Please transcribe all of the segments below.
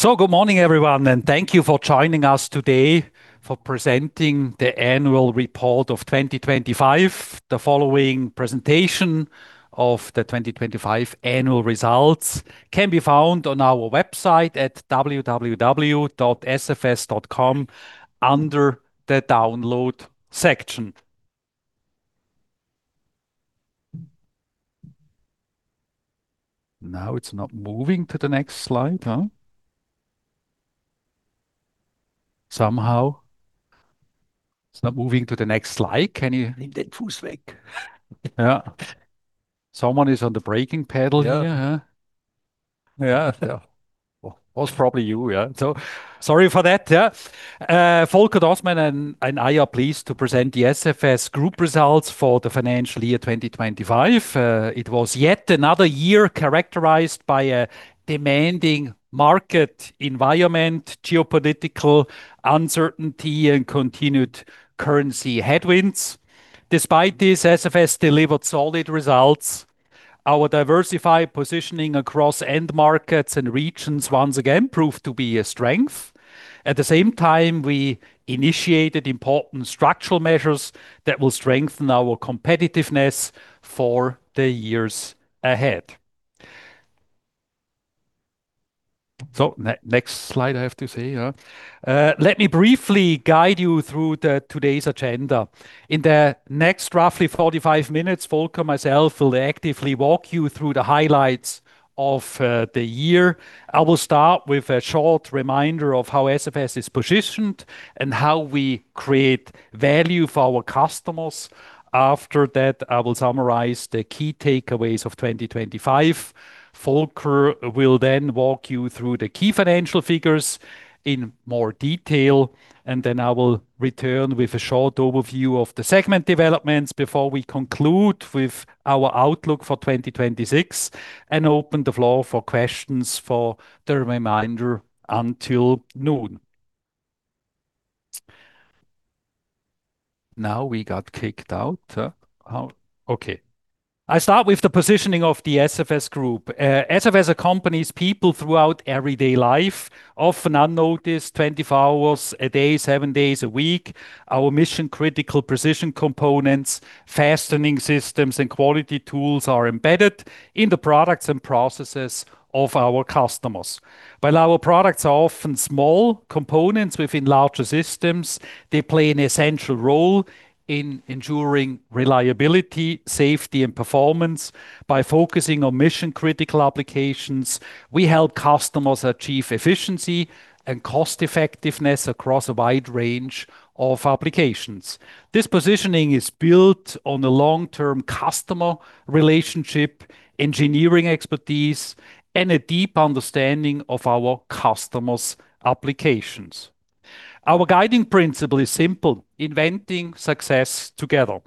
Good morning everyone, and thank you for joining us today for presenting the annual report of 2025. The following presentation of the 2025 annual results can be found on our website at www.sfs.com under the Download section. It's not moving to the next slide, huh? Somehow it's not moving to the next slide. Yeah. Someone is on the braking pedal here, huh? Yeah. Well, was probably you. Sorry for that. Volker Dostmann and I are pleased to present the SFS Group Results for the Financial Year 2025. It was yet another year characterized by a demanding market environment, geopolitical uncertainty, and continued currency headwinds. Despite this, SFS delivered solid results. Our diversified positioning across end markets and regions once again proved to be a strength. At the same time, we initiated important structural measures that will strengthen our competitiveness for the years ahead. Next slide, I have to say. Let me briefly guide you through today's agenda. In the next roughly 45 minutes, Volker, myself will actively walk you through the highlights of the year. I will start with a short reminder of how SFS is positioned and how we create value for our customers. After that, I will summarize the key takeaways of 2025. Volker will then walk you through the key financial figures in more detail, and then I will return with a short overview of the segment developments before we conclude with our outlook for 2026, open the floor for questions for the reminder until noon. Now we got kicked out, huh? Okay. I start with the positioning of the SFS Group. SFS accompanies people throughout everyday life, often unnoticed, 24 hours a day, seven days a week. Our mission-critical precision components, Fastening Systems, and quality tools are embedded in the products and processes of our customers. While our products are often small components within larger systems, they play an essential role in ensuring reliability, safety, and performance. By focusing on mission-critical applications, we help customers achieve efficiency and cost effectiveness across a wide range of applications. This positioning is built on the long-term customer relationship, engineering expertise, and a deep understanding of our customers' applications. Our guiding principle is simple: inventing success together.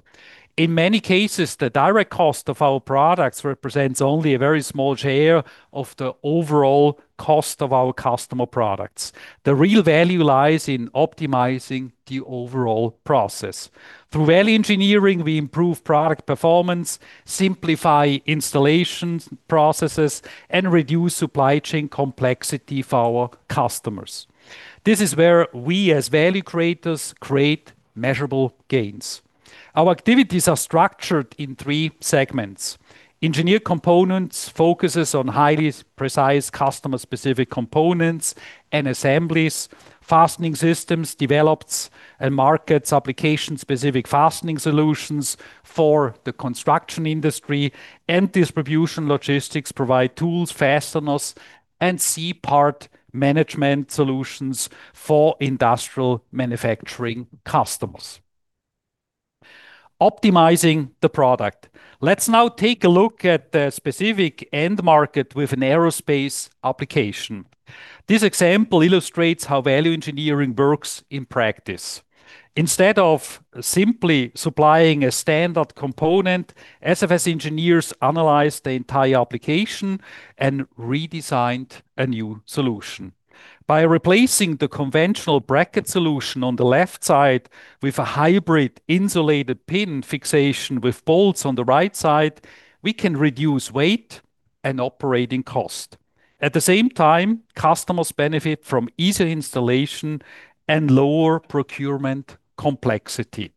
In many cases, the direct cost of our products represents only a very small share of the overall cost of our customer products. The real value lies in optimizing the overall process. Through value engineering, we improve product performance, simplify installations, processes, and reduce supply chain complexity for our customers. This is where we, as value creators, create measurable gains. Our activities are structured in three segments. Engineered Components focuses on highly precise customer-specific components and assemblies. Fastening Systems develops and markets application-specific fastening solutions for the construction industry. Distribution & Logistics provide tools, fasteners, and C-part management solutions for industrial manufacturing customers. Optimizing the product. Let's now take a look at the specific end market with an aerospace application. This example illustrates how value engineering works in practice. Instead of simply supplying a standard component, SFS engineers analyze the entire application and redesigned a new solution. By replacing the conventional bracket solution on the left side with a hybrid insulated pin fixation with bolts on the right side, we can reduce weight and operating cost. At the same time, customers benefit from easier installation and lower procurement complexity.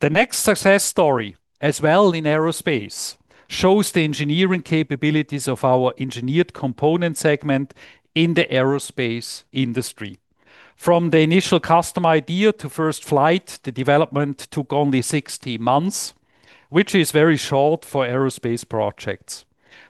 The next success story, as well in aerospace, shows the engineering capabilities of our Engineered Components segment in the aerospace industry. From the initial custom idea to first flight, the development took only 60 months, which is very short for aerospace projects.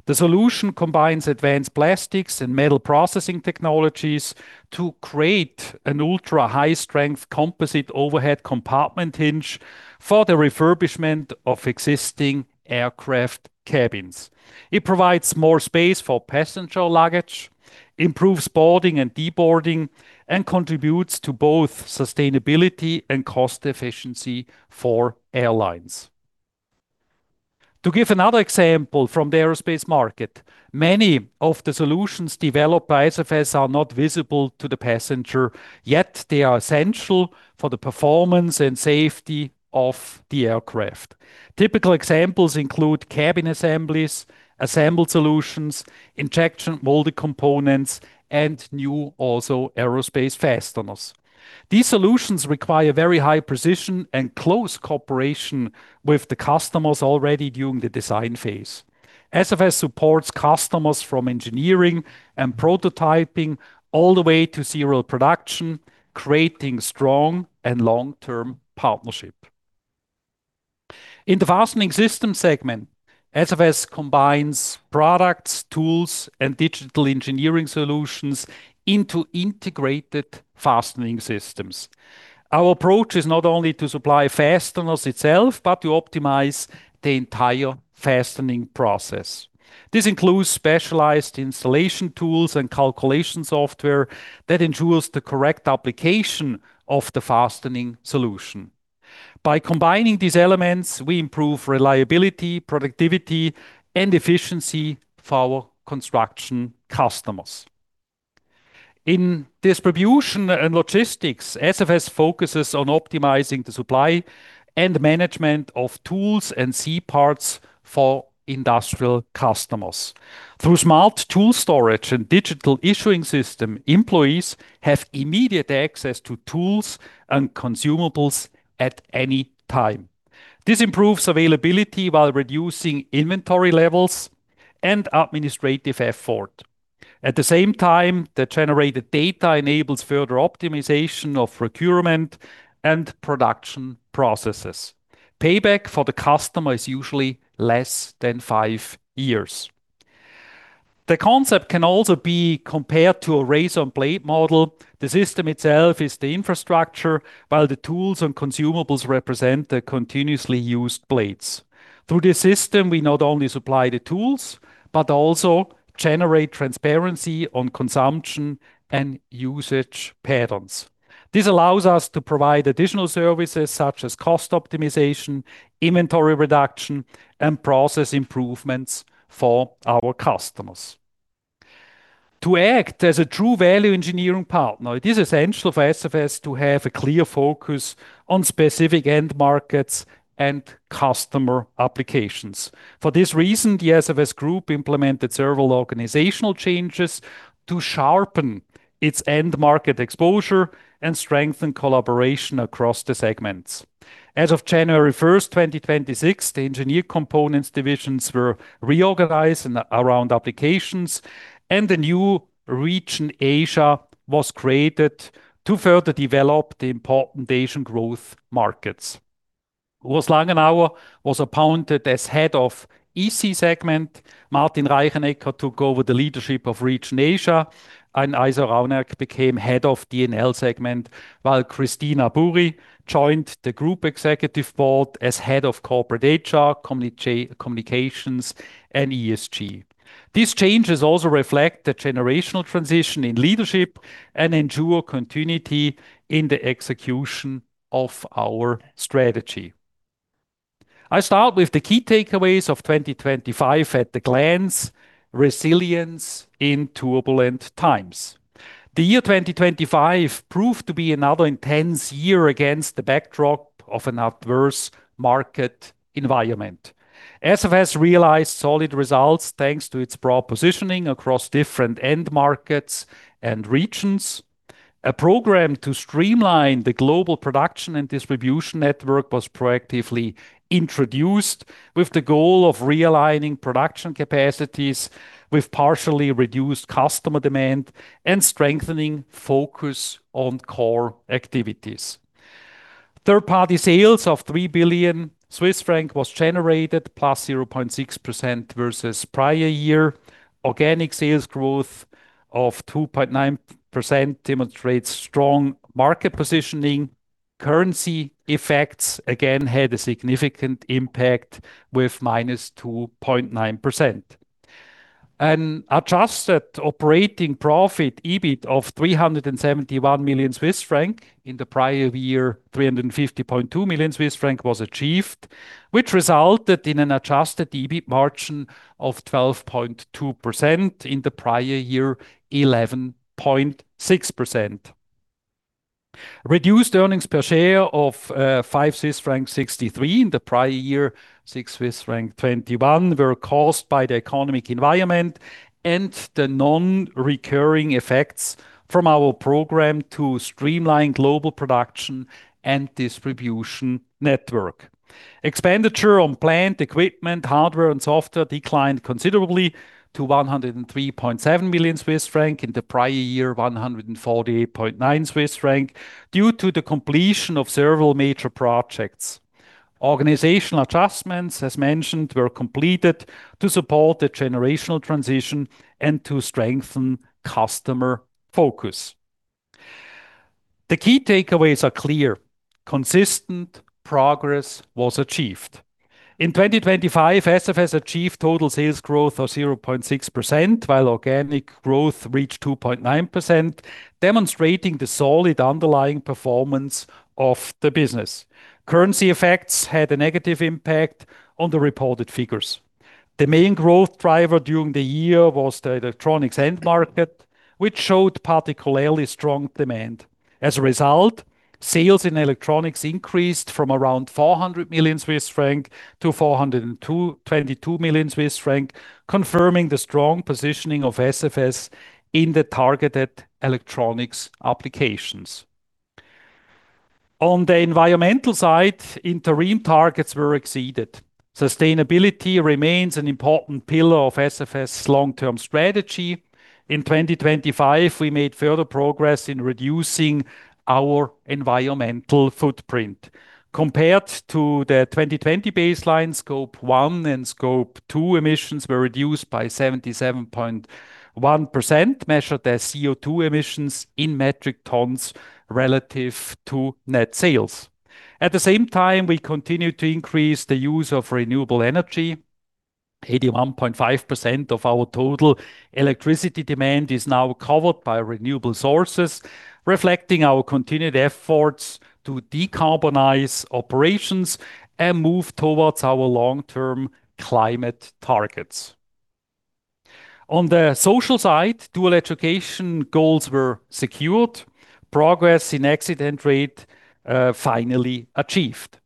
The solution combines advanced plastics and metal processing technologies to create an ultra-high-strength composite overhead compartment hinge for the refurbishment of existing aircraft cabins. It provides more space for passenger luggage, improves boarding and deboarding, and contributes to both sustainability and cost efficiency for airlines. To give another example from the aerospace market, many of the solutions developed by SFS are not visible to the passenger, yet they are essential for the performance and safety of the aircraft. Typical examples include cabin assemblies, assembled solutions, injection molded components, and new also aerospace fasteners. These solutions require very high precision and close cooperation with the customers already during the design phase. SFS supports customers from engineering and prototyping all the way to serial production, creating strong and long-term partnership. In the Fastening Systems segment, SFS combines products, tools, and digital engineering solutions into integrated fastening systems. Our approach is not only to supply fasteners itself, but to optimize the entire fastening process. This includes specialized installation tools and calculation software that ensures the correct application of the fastening solution. By combining these elements, we improve reliability, productivity, and efficiency for our construction customers. In Distribution & Logistics, SFS focuses on optimizing the supply and management of tools and C-parts for industrial customers. Through smart tool storage and digital issuing system, employees have immediate access to tools and consumables at any time. This improves availability while reducing inventory levels and administrative effort. At the same time, the generated data enables further optimization of procurement and production processes. Payback for the customer is usually less than five years. The concept can also be compared to a razor and blade model. The system itself is the infrastructure, while the tools and consumables represent the continuously used blades. Through this system, we not only supply the tools, but also generate transparency on consumption and usage patterns. This allows us to provide additional services such as cost optimization, inventory reduction, and process improvements for our customers. To act as a true value engineering partner, it is essential for SFS to have a clear focus on specific end markets and customer applications. For this reason, the SFS Group implemented several organizational changes to sharpen its end market exposure and strengthen collaboration across the segments. As of January 1, 2026, the Engineered Components divisions were reorganized around applications, and the new Region Asia was created to further develop the important Asian growth markets. Urs Langenauer was appointed as head of EC segment. Martin Reichenecker took over the leadership of Region Asia, and Iso Raunjak became head of D&L segment, while Christina Burri joined the group executive board as head of corporate HR, communications, and ESG. These changes also reflect the generational transition in leadership and ensure continuity in the execution of our strategy. I start with the key takeaways of 2025 at the glance, resilience in turbulent times. The year 2025 proved to be another intense year against the backdrop of an adverse market environment. SFS realized solid results thanks to its broad positioning across different end markets and regions. A program to streamline the global production and distribution network was proactively introduced with the goal of realigning production capacities with partially reduced customer demand and strengthening focus on core activities. Third-party sales of 3 billion Swiss franc was generated, plus 0.6% versus prior year. Organic sales growth of 2.9% demonstrates strong market positioning. Currency effects again had a significant impact with -2.9%. An Adjusted Operating Profit, EBIT, of 371 million Swiss franc, in the prior year, 350.2 million Swiss franc was achieved, which resulted in an Adjusted EBIT Margin of 12.2%, in the prior year, 11.6%. Reduced earnings per share of 5.63 Swiss franc, in the prior year, 6.21 Swiss franc, were caused by the economic environment and the non-recurring effects from our program to streamline global production and distribution network. Expenditure on plant equipment, hardware and software declined considerably to 103.7 million Swiss franc, in the prior year, 148.9 million Swiss franc, due to the completion of several major projects. Organizational adjustments, as mentioned, were completed to support the generational transition and to strengthen customer focus. The key takeaways are clear. Consistent progress was achieved. In 2025, SFS achieved total sales growth of 0.6%, while organic growth reached 2.9%, demonstrating the solid underlying performance of the business. Currency effects had a negative impact on the reported figures. The main growth driver during the year was the electronics end market, which showed particularly strong demand. As a result, sales in electronics increased from around 400 million-422 million Swiss franc, confirming the strong positioning of SFS in the targeted electronics applications. On the environmental side, interim targets were exceeded. Sustainability remains an important pillar of SFS's long-term strategy. In 2025, we made further progress in reducing our environmental footprint. Compared to the 2020 baseline, Scope 1 and Scope 2 emissions were reduced by 77.1%, measured as CO2 emissions in metric tons relative to net sales. At the same time, we continued to increase the use of renewable energy. 81.5% of our total electricity demand is now covered by renewable sources, reflecting our continued efforts to decarbonize operations and move towards our long-term climate targets. On the social side, dual education goals were secured. Progress in accident rate finally achieved.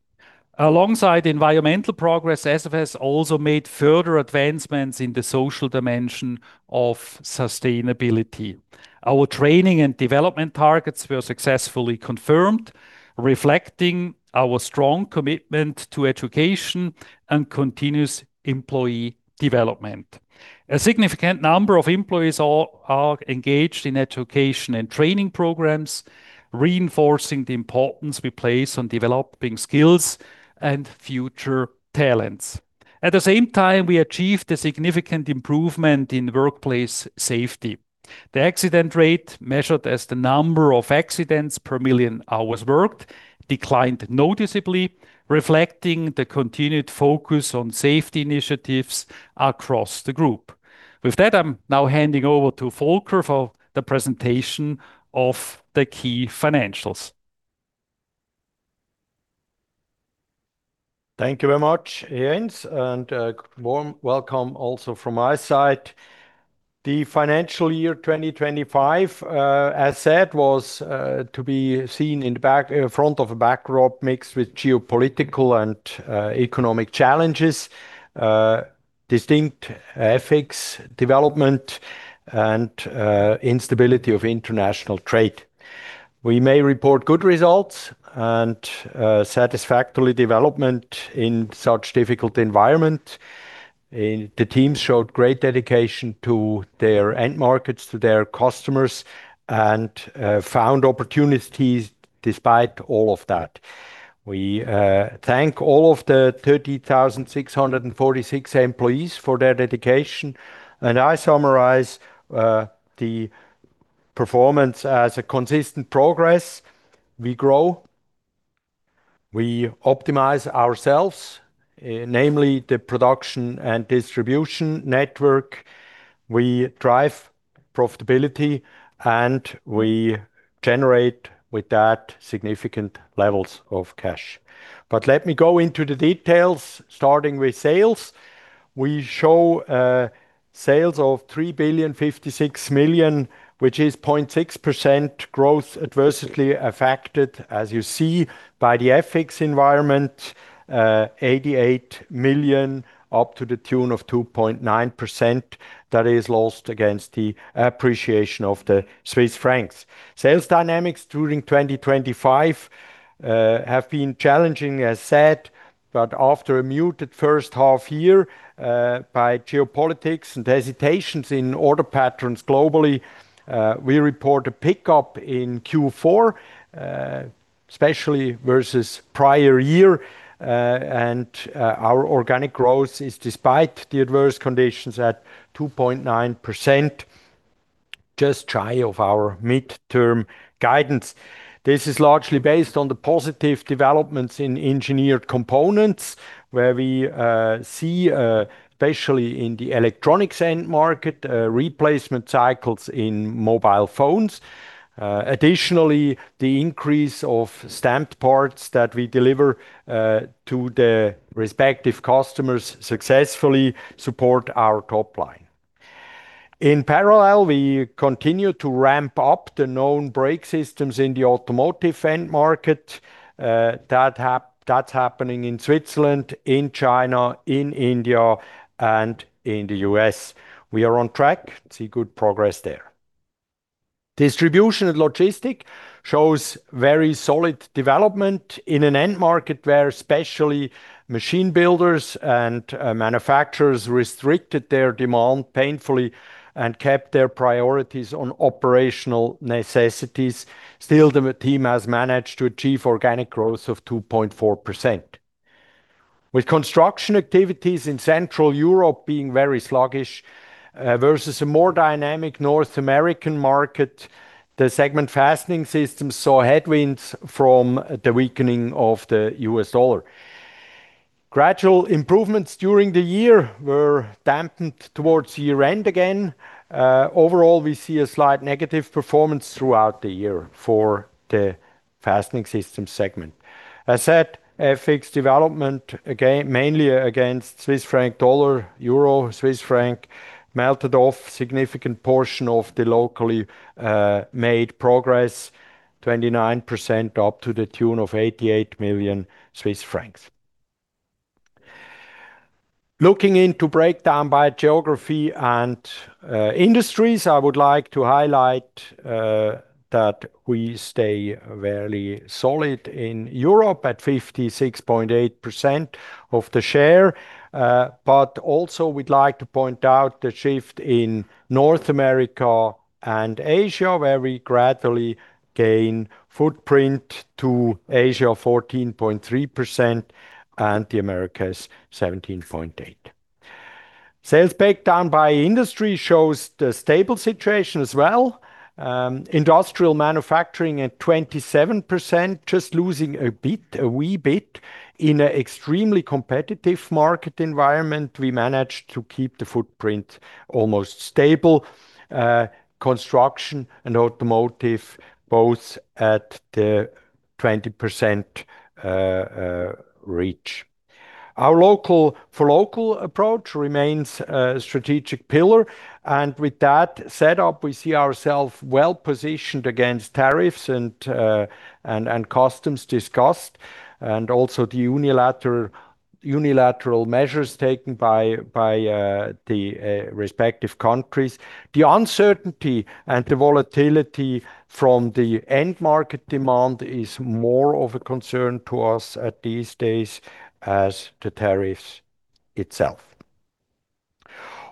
Alongside environmental progress, SFS also made further advancements in the social dimension of sustainability. Our training and development targets were successfully confirmed, reflecting our strong commitment to education and continuous employee development. A significant number of employees are engaged in education and training programs, reinforcing the importance we place on developing skills and future talents. At the same time, we achieved a significant improvement in workplace safety. The accident rate, measured as the number of accidents per million hours worked, declined noticeably, reflecting the continued focus on safety initiatives across the group. With that, I'm now handing over to Volker for the presentation of the key financials. Thank you very much, Jens. A warm welcome also from my side. The financial year 2025, as said, was to be seen in the front of a backdrop mixed with geopolitical and economic challenges, distinct FX development and instability of international trade. We may report good results and satisfactory development in such difficult environment. The team showed great dedication to their end markets, to their customers, and found opportunities despite all of that. We thank all of the 30,646 employees for their dedication, and I summarize the performance as a consistent progress. We grow, we optimize ourselves, namely the production and distribution network. We drive profitability, and we generate with that significant levels of cash. Let me go into the details, starting with sales. We show sales of 3.056 billion, which is 0.6% growth adversely affected, as you see, by the FX environment, 88 million, up to the tune of 2.9% that is lost against the appreciation of the Swiss franc. Sales dynamics during 2025 have been challenging, as said, but after a muted first half year, by geopolitics and hesitations in order patterns globally, we report a pickup in Q4, especially versus prior year, and our organic growth is despite the adverse conditions at 2.9%, just shy of our midterm guidance. This is largely based on the positive developments in Engineered Components, where we see especially in the electronics end market replacement cycles in mobile phones. Additionally, the increase of stamped parts that we deliver to the respective customers successfully support our top line. In parallel, we continue to ramp up the known brake systems in the automotive end market. That's happening in Switzerland, in China, in India, and in the U.S. We are on track, see good progress there. Distribution & Logistics shows very solid development in an end market where especially machine builders and manufacturers restricted their demand painfully and kept their priorities on operational necessities. Still, the team has managed to achieve organic growth of 2.4%. With construction activities in Central Europe being very sluggish versus a more dynamic North American market, the segment Fastening Systems saw headwinds from the weakening of the US dollar. Gradual improvements during the year were dampened towards year-end again. Overall, we see a slight negative performance throughout the year for the Fastening Systems segment. As said, FX development again, mainly against Swiss franc-dollar, Euro-Swiss franc, melted off significant portion of the locally made progress, 29% up to the tune of 88 million Swiss francs. Looking into breakdown by geography and industries, I would like to highlight that we stay fairly solid in Europe at 56.8% of the share. Also we'd like to point out the shift in North America and Asia, where we gradually gain footprint to Asia, 14.3%, and the Americas, 17.8%. Sales breakdown by industry shows the stable situation as well. Industrial manufacturing at 27%, just losing a bit, a wee bit. In an extremely competitive market environment, we managed to keep the footprint almost stable. Construction and automotive, both at the 20% reach. For local approach remains a strategic pillar, with that set up, we see ourself well-positioned against tariffs and customs discussed, and also the unilateral measures taken by the respective countries. The uncertainty and the volatility from the end market demand is more of a concern to us at these days as the tariffs itself.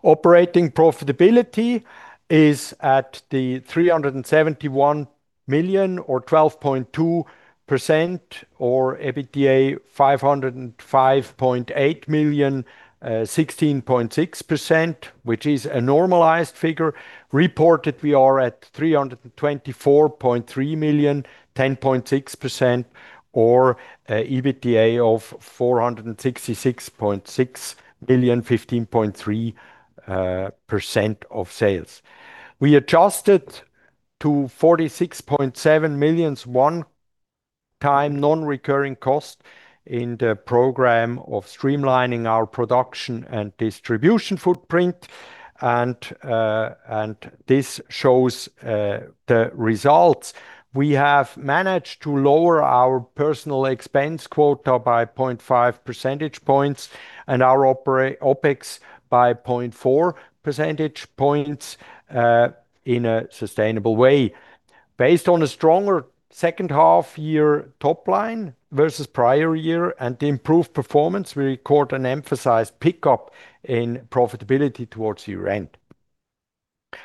Operating profitability is at 371 million or 12.2%, or EBITDA, 505.8 million, 16.6%, which is a normalized figure. Reported, we are at 324.3 million, 10.6%, or a EBITDA of 466.6 million, 15.3% of sales. We adjusted to 46.7 million one-time non-recurring cost in the program of streamlining our production and distribution footprint. This shows the results. We have managed to lower our personal expense quota by 0.5 percentage points and our OpEx by 0.4 percentage points in a sustainable way. Based on a stronger second half year top line versus prior year and the improved performance, we record an emphasized pickup in profitability towards year-end.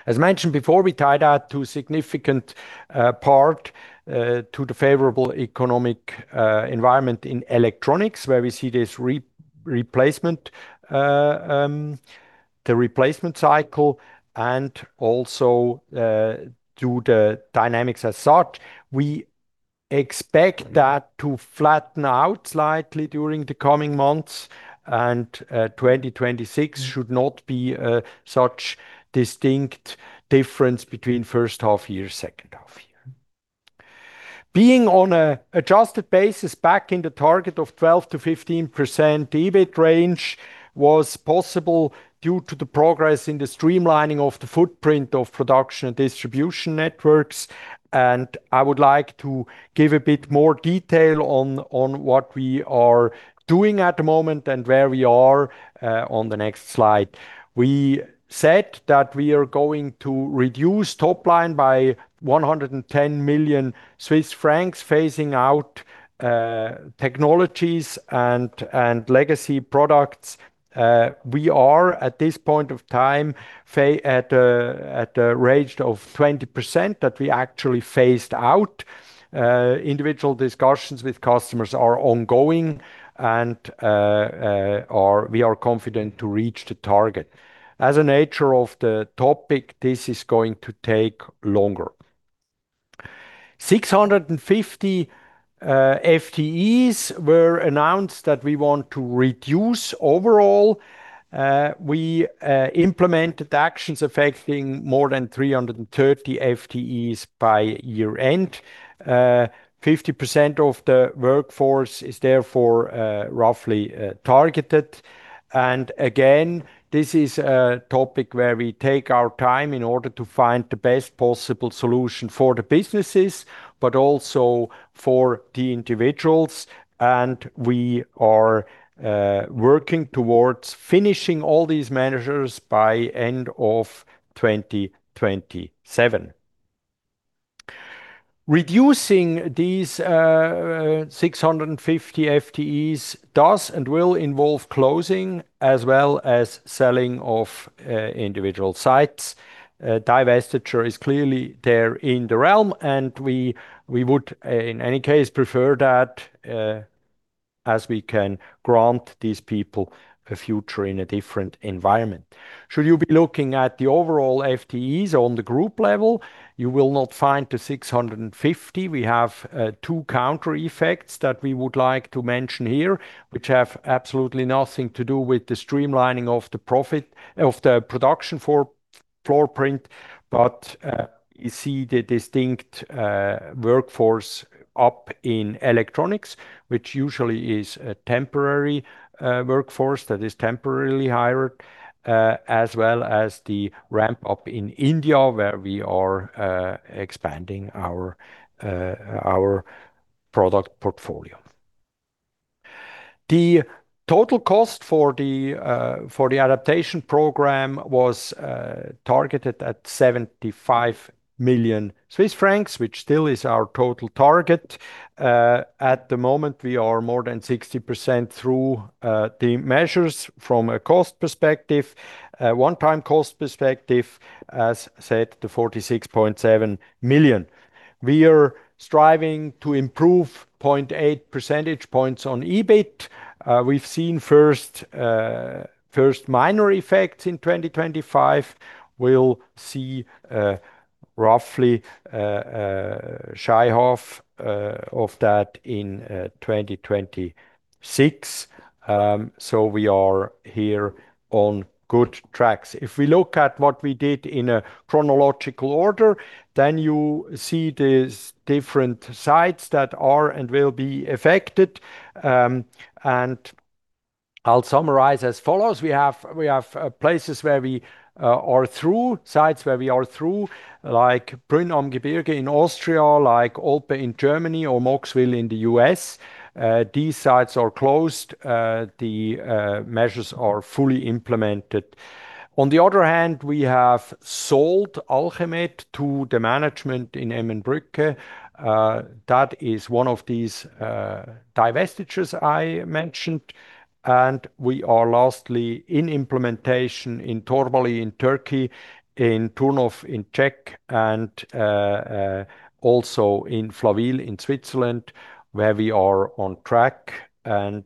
As mentioned before, we tied that to a significant part to the favorable economic environment in electronics, where we see this replacement cycle and also to the dynamics as such. We expect that to flatten out slightly during the coming months. 2026 should not be a such distinct difference between first half year, second half year. Being on an Adjusted basis back in the target of 12%-15% EBIT range was possible due to the progress in the streamlining of the footprint of production and distribution networks. I would like to give a bit more detail on what we are doing at the moment and where we are on the next slide. We said that we are going to reduce top line by 110 million Swiss francs, phasing out technologies and legacy products. We are, at this point of time, at a range of 20% that we actually phased out. Individual discussions with customers are ongoing and we are confident to reach the target. As a nature of the topic, this is going to take longer. 650 FTEs were announced that we want to reduce overall. We implemented actions affecting more than 330 FTEs by year-end. 50% of the workforce is therefore roughly targeted. This is a topic where we take our time in order to find the best possible solution for the businesses, but also for the individuals. We are working towards finishing all these measures by end of 2027. Reducing these 650 FTEs does and will involve closing as well as selling of individual sites. Divestiture is clearly there in the realm, and we would in any case prefer that As we can grant these people a future in a different environment. Should you be looking at the overall FTEs on the group level, you will not find the 650. We have two counter effects that we would like to mention here, which have absolutely nothing to do with the streamlining of the profit of the production floor print. You see the distinct workforce up in electronics, which usually is a temporary workforce that is temporarily hired, as well as the ramp up in India, where we are expanding our product portfolio. The total cost for the adaptation program was targeted at 75 million Swiss francs, which still is our total target. At the moment, we are more than 60% through the measures from a cost perspective. One-time cost perspective, as said, the 46.7 million. We are striving to improve 0.8 percentage points on EBIT. We've seen first minor effects in 2025. We'll see roughly shy of that in 2026. We are here on good tracks. If we look at what we did in a chronological order, you see these different sites that are and will be affected. I'll summarize as follows: we have places where we are through, sites where we are through, like Brunn am Gebirge in Austria, like Olpe in Germany or Mocksville in the U.S. These sites are closed. The measures are fully implemented. On the other hand, we have sold Allchemet to the management in Emmenbrücke. That is one of these divestitures I mentioned. We are lastly in implementation in Torbali in Turkey, in Turnov in Czech, also in Flawil in Switzerland, where we are on track and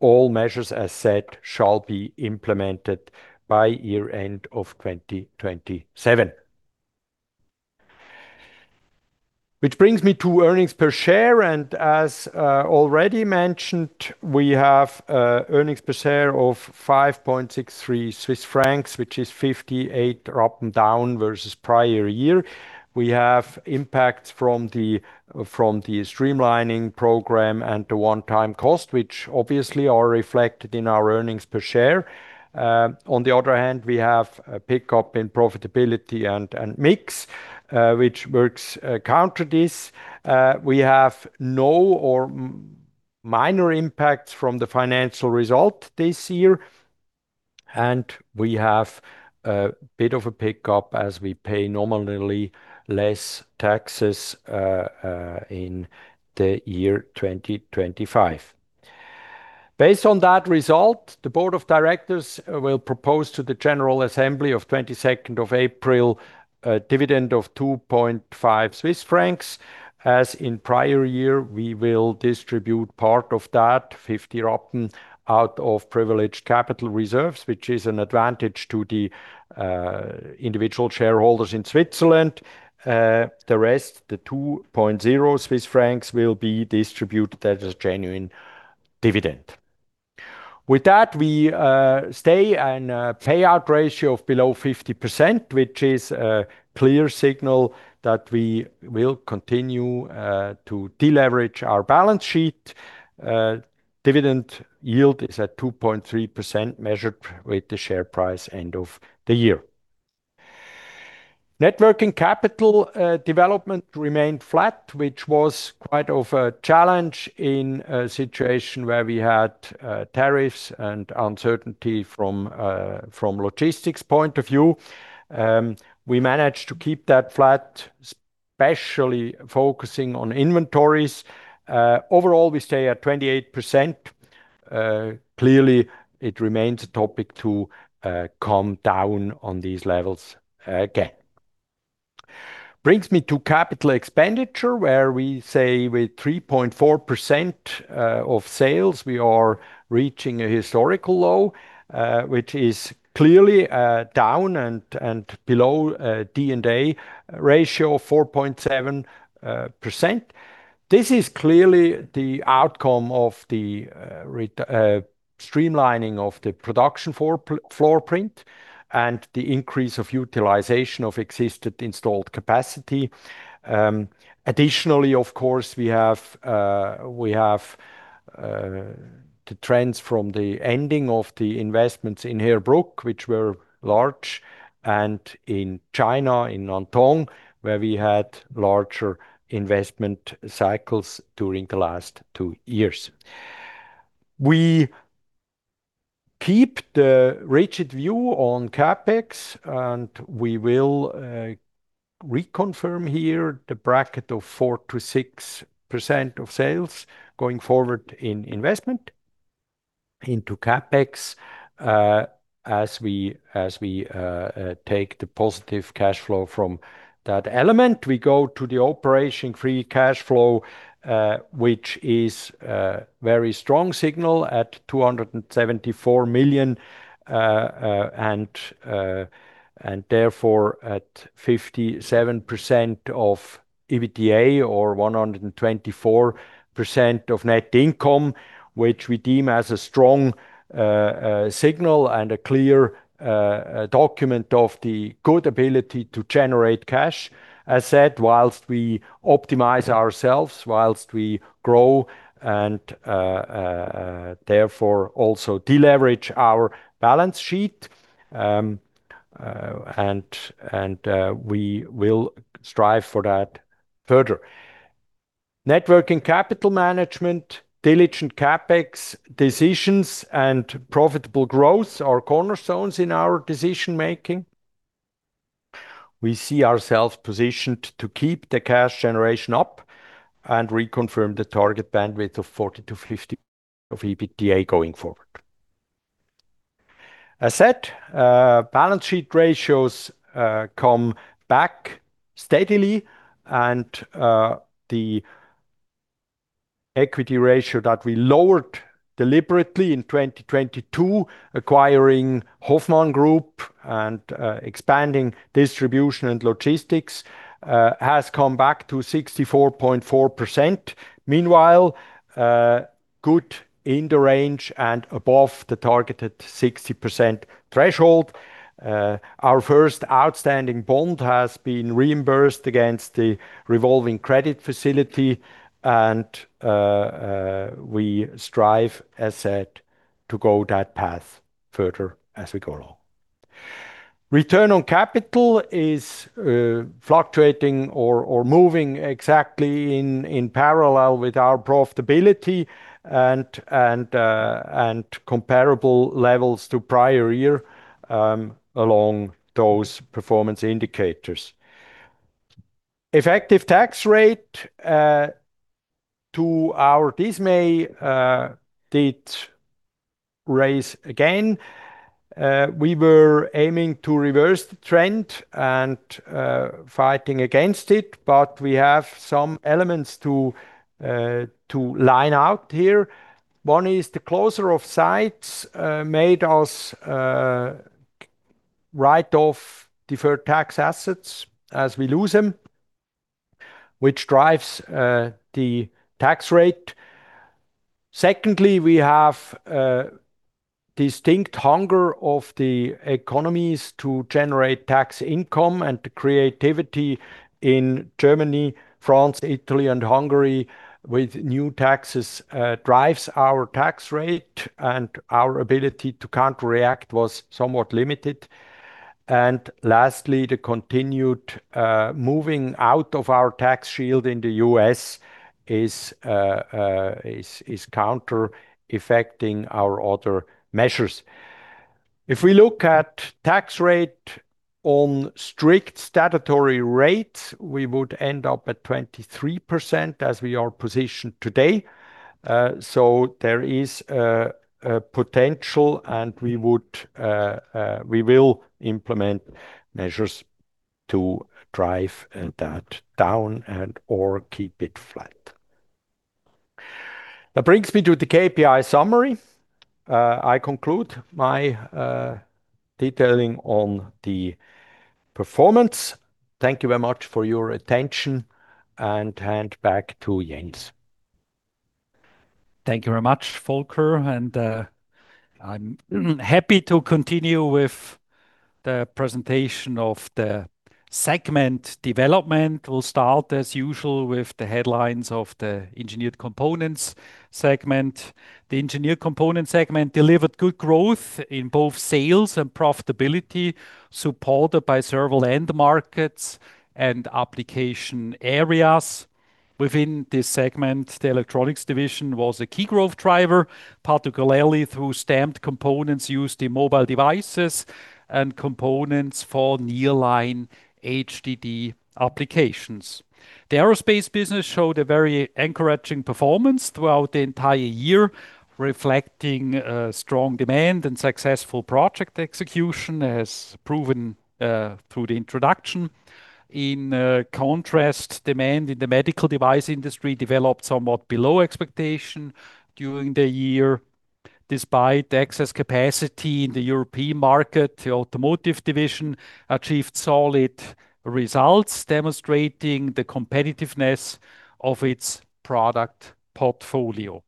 all measures, as said, shall be implemented by year end of 2027. Which brings me to earnings per share. As already mentioned, we have earnings per share of 5.63 Swiss francs, which is 58 rappen down versus prior year. We have impacts from the streamlining program and the one-time cost, which obviously are reflected in our earnings per share. On the other hand, we have a pickup in profitability and mix, which works counter this. We have no or minor impacts from the financial result this year, and we have a bit of a pickup as we pay nominally less taxes in the year 2025. Based on that result, the board of directors will propose to the general assembly of 22nd of April a dividend of 2.5 Swiss francs. As in prior year, we will distribute part of that, 50 rappen out of privileged capital reserves, which is an advantage to the individual shareholders in Switzerland. The rest, 2.0 Swiss francs, will be distributed as a genuine dividend. With that, we stay in a payout ratio of below 50%, which is a clear signal that we will continue to deleverage our balance sheet. Dividend yield is at 2.3% measured with the share price end of the year. Networking capital development remained flat, which was quite of a challenge in a situation where we had tariffs and uncertainty from logistics point of view. We managed to keep that flat, especially focusing on inventories. Overall, we stay at 28%. Clearly, it remains a topic to calm down on these levels again. Brings me to capital expenditure, where we say with 3.4% of sales, we are reaching a historical low, which is clearly down and below D&A ratio of 4.7%. This is clearly the outcome of the streamlining of the production floor print and the increase of utilization of existed installed capacity. Additionally, of course, we have the trends from the ending of the investments in Herbrechtingen, which were large, and in China, in Nantong, where we had larger investment cycles during the last two years. We keep the rigid view on CapEx, and we will reconfirm here the bracket of 4%-6% of sales going forward in investment. Into CapEx, as we take the positive cash flow from that element. We go to the operation Free Cash Flow, which is a very strong signal at 274 million. Therefore, at 57% of EBITDA or 124% of net income, which we deem as a strong signal and a clear document of the good ability to generate cash, as said, whilst we optimize ourselves, whilst we grow and therefore, also deleverage our balance sheet. We will strive for that further. Networking capital management, diligent CapEx decisions, and profitable growth are cornerstones in our decision-making. We see ourselves positioned to keep the cash generation up and reconfirm the target bandwidth of 40-50 of EBITDA going forward. As said, balance sheet ratios come back steadily and the equity ratio that we lowered deliberately in 2022, acquiring Hoffmann Group and expanding Distribution & Logistics, has come back to 64.4%. Meanwhile, good in the range and above the targeted 60% threshold. Our first outstanding bond has been reimbursed against the revolving credit facility and, we strive, as said, to go that path further as we go along. Return on capital is fluctuating or moving exactly in parallel with our profitability and comparable levels to prior year, along those performance indicators. Effective tax rate, to our dismay, did raise again. We were aiming to reverse the trend and fighting against it, but we have some elements to line out here. One is the closure of sites, made us write off deferred tax assets as we lose them, which drives the tax rate. Secondly, we have a distinct hunger of the economies to generate tax income and the creativity in Germany, France, Italy, and Hungary with new taxes, drives our tax rate, and our ability to counter-react was somewhat limited. Lastly, the continued moving out of our tax shield in the U.S. is counter-affecting our other measures. If we look at tax rate on strict statutory rates, we would end up at 23% as we are positioned today. There is a potential, and we would, we will implement measures to drive that down and/or keep it flat. That brings me to the KPI summary. I conclude my detailing on the performance. Thank you very much for your attention, and hand back to Jens. Thank you very much, Volker. I'm happy to continue with the presentation of the segment development. We'll start as usual with the headlines of the Engineered Components segment. The Engineered Components segment delivered good growth in both sales and profitability, supported by several end markets and application areas. Within this segment, the Electronics division was a key growth driver, particularly through stamped components used in mobile devices and components for nearline HDD applications. The aerospace business showed a very encouraging performance throughout the entire year, reflecting strong demand and successful project execution, as proven through the introduction. In contrast, demand in the medical device industry developed somewhat below expectation during the year. Despite excess capacity in the European market, the automotive division achieved solid results, demonstrating the competitiveness of its product portfolio.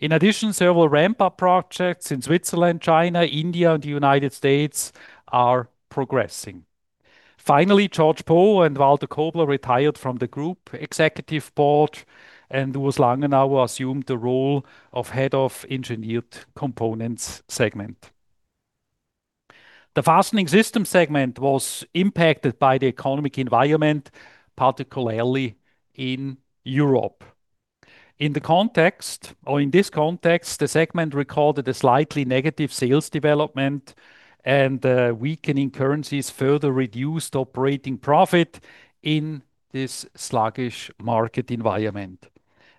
In addition, several ramp-up projects in Switzerland, China, India, and the United States are progressing. Finally, George Poh and Walter Kobler retired from the group executive board, and Urs Langenauer assumed the role of head of Engineered Components segment. The Fastening Systems segment was impacted by the economic environment, particularly in Europe. In this context, the segment recorded a slightly negative sales development, and weakening currencies further reduced operating profit in this sluggish market environment.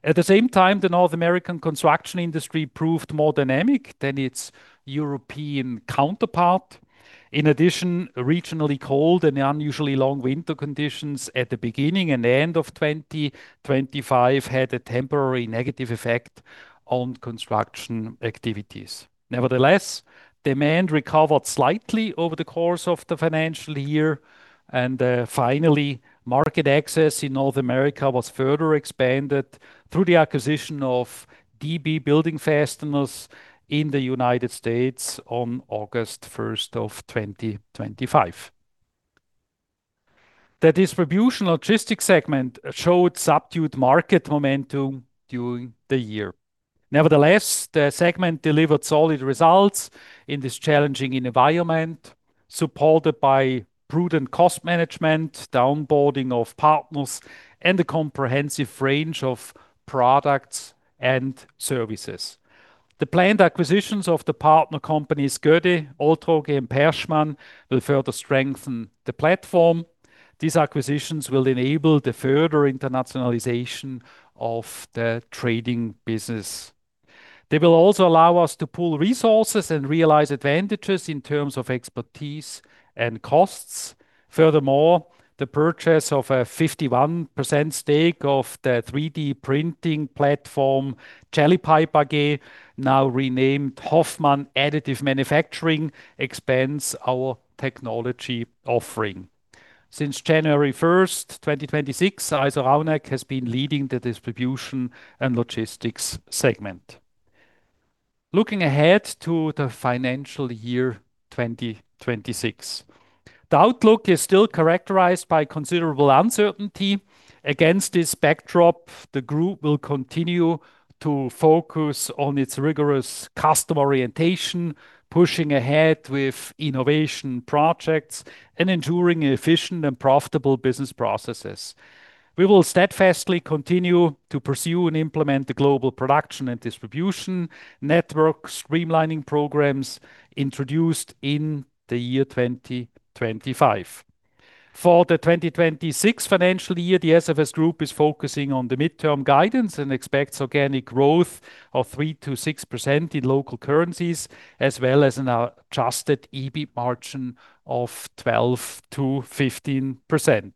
At the same time, the North American construction industry proved more dynamic than its European counterpart. In addition, regionally cold and unusually long winter conditions at the beginning and end of 2025 had a temporary negative effect on construction activities. Nevertheless, demand recovered slightly over the course of the financial year. Finally, market access in North America was further expanded through the acquisition of DB Building Fasteners in the United States on August 1, 2025. The Distribution & Logistics segment showed subdued market momentum during the year. Nevertheless, the segment delivered solid results in this challenging environment, supported by prudent cost management, the onboarding of partners, and a comprehensive range of products and services. The planned acquisitions of the partner companies, Gödde, Oltrogge, and Perschmann, will further strengthen the platform. These acquisitions will enable the further internationalization of the trading business. They will also allow us to pool resources and realize advantages in terms of expertise and costs. The purchase of a 51% stake of the 3D printing platform, Jellypipe AG, now renamed Hoffmann Additive Manufacturing, expands our technology offering. Since January 1, 2026, Iso Raunjak has been leading the Distribution & Logistics segment. Looking ahead to the financial year 2026. The outlook is still characterized by considerable uncertainty. Against this backdrop, the group will continue to focus on its rigorous customer orientation, pushing ahead with innovation projects and ensuring efficient and profitable business processes. We will steadfastly continue to pursue and implement the global production and distribution network streamlining programs introduced in the year 2025. For the 2026 financial year, the SFS Group is focusing on the midterm guidance and expects organic growth of 3%-6% in local currencies, as well as an Adjusted EBIT Margin of 12%-15%.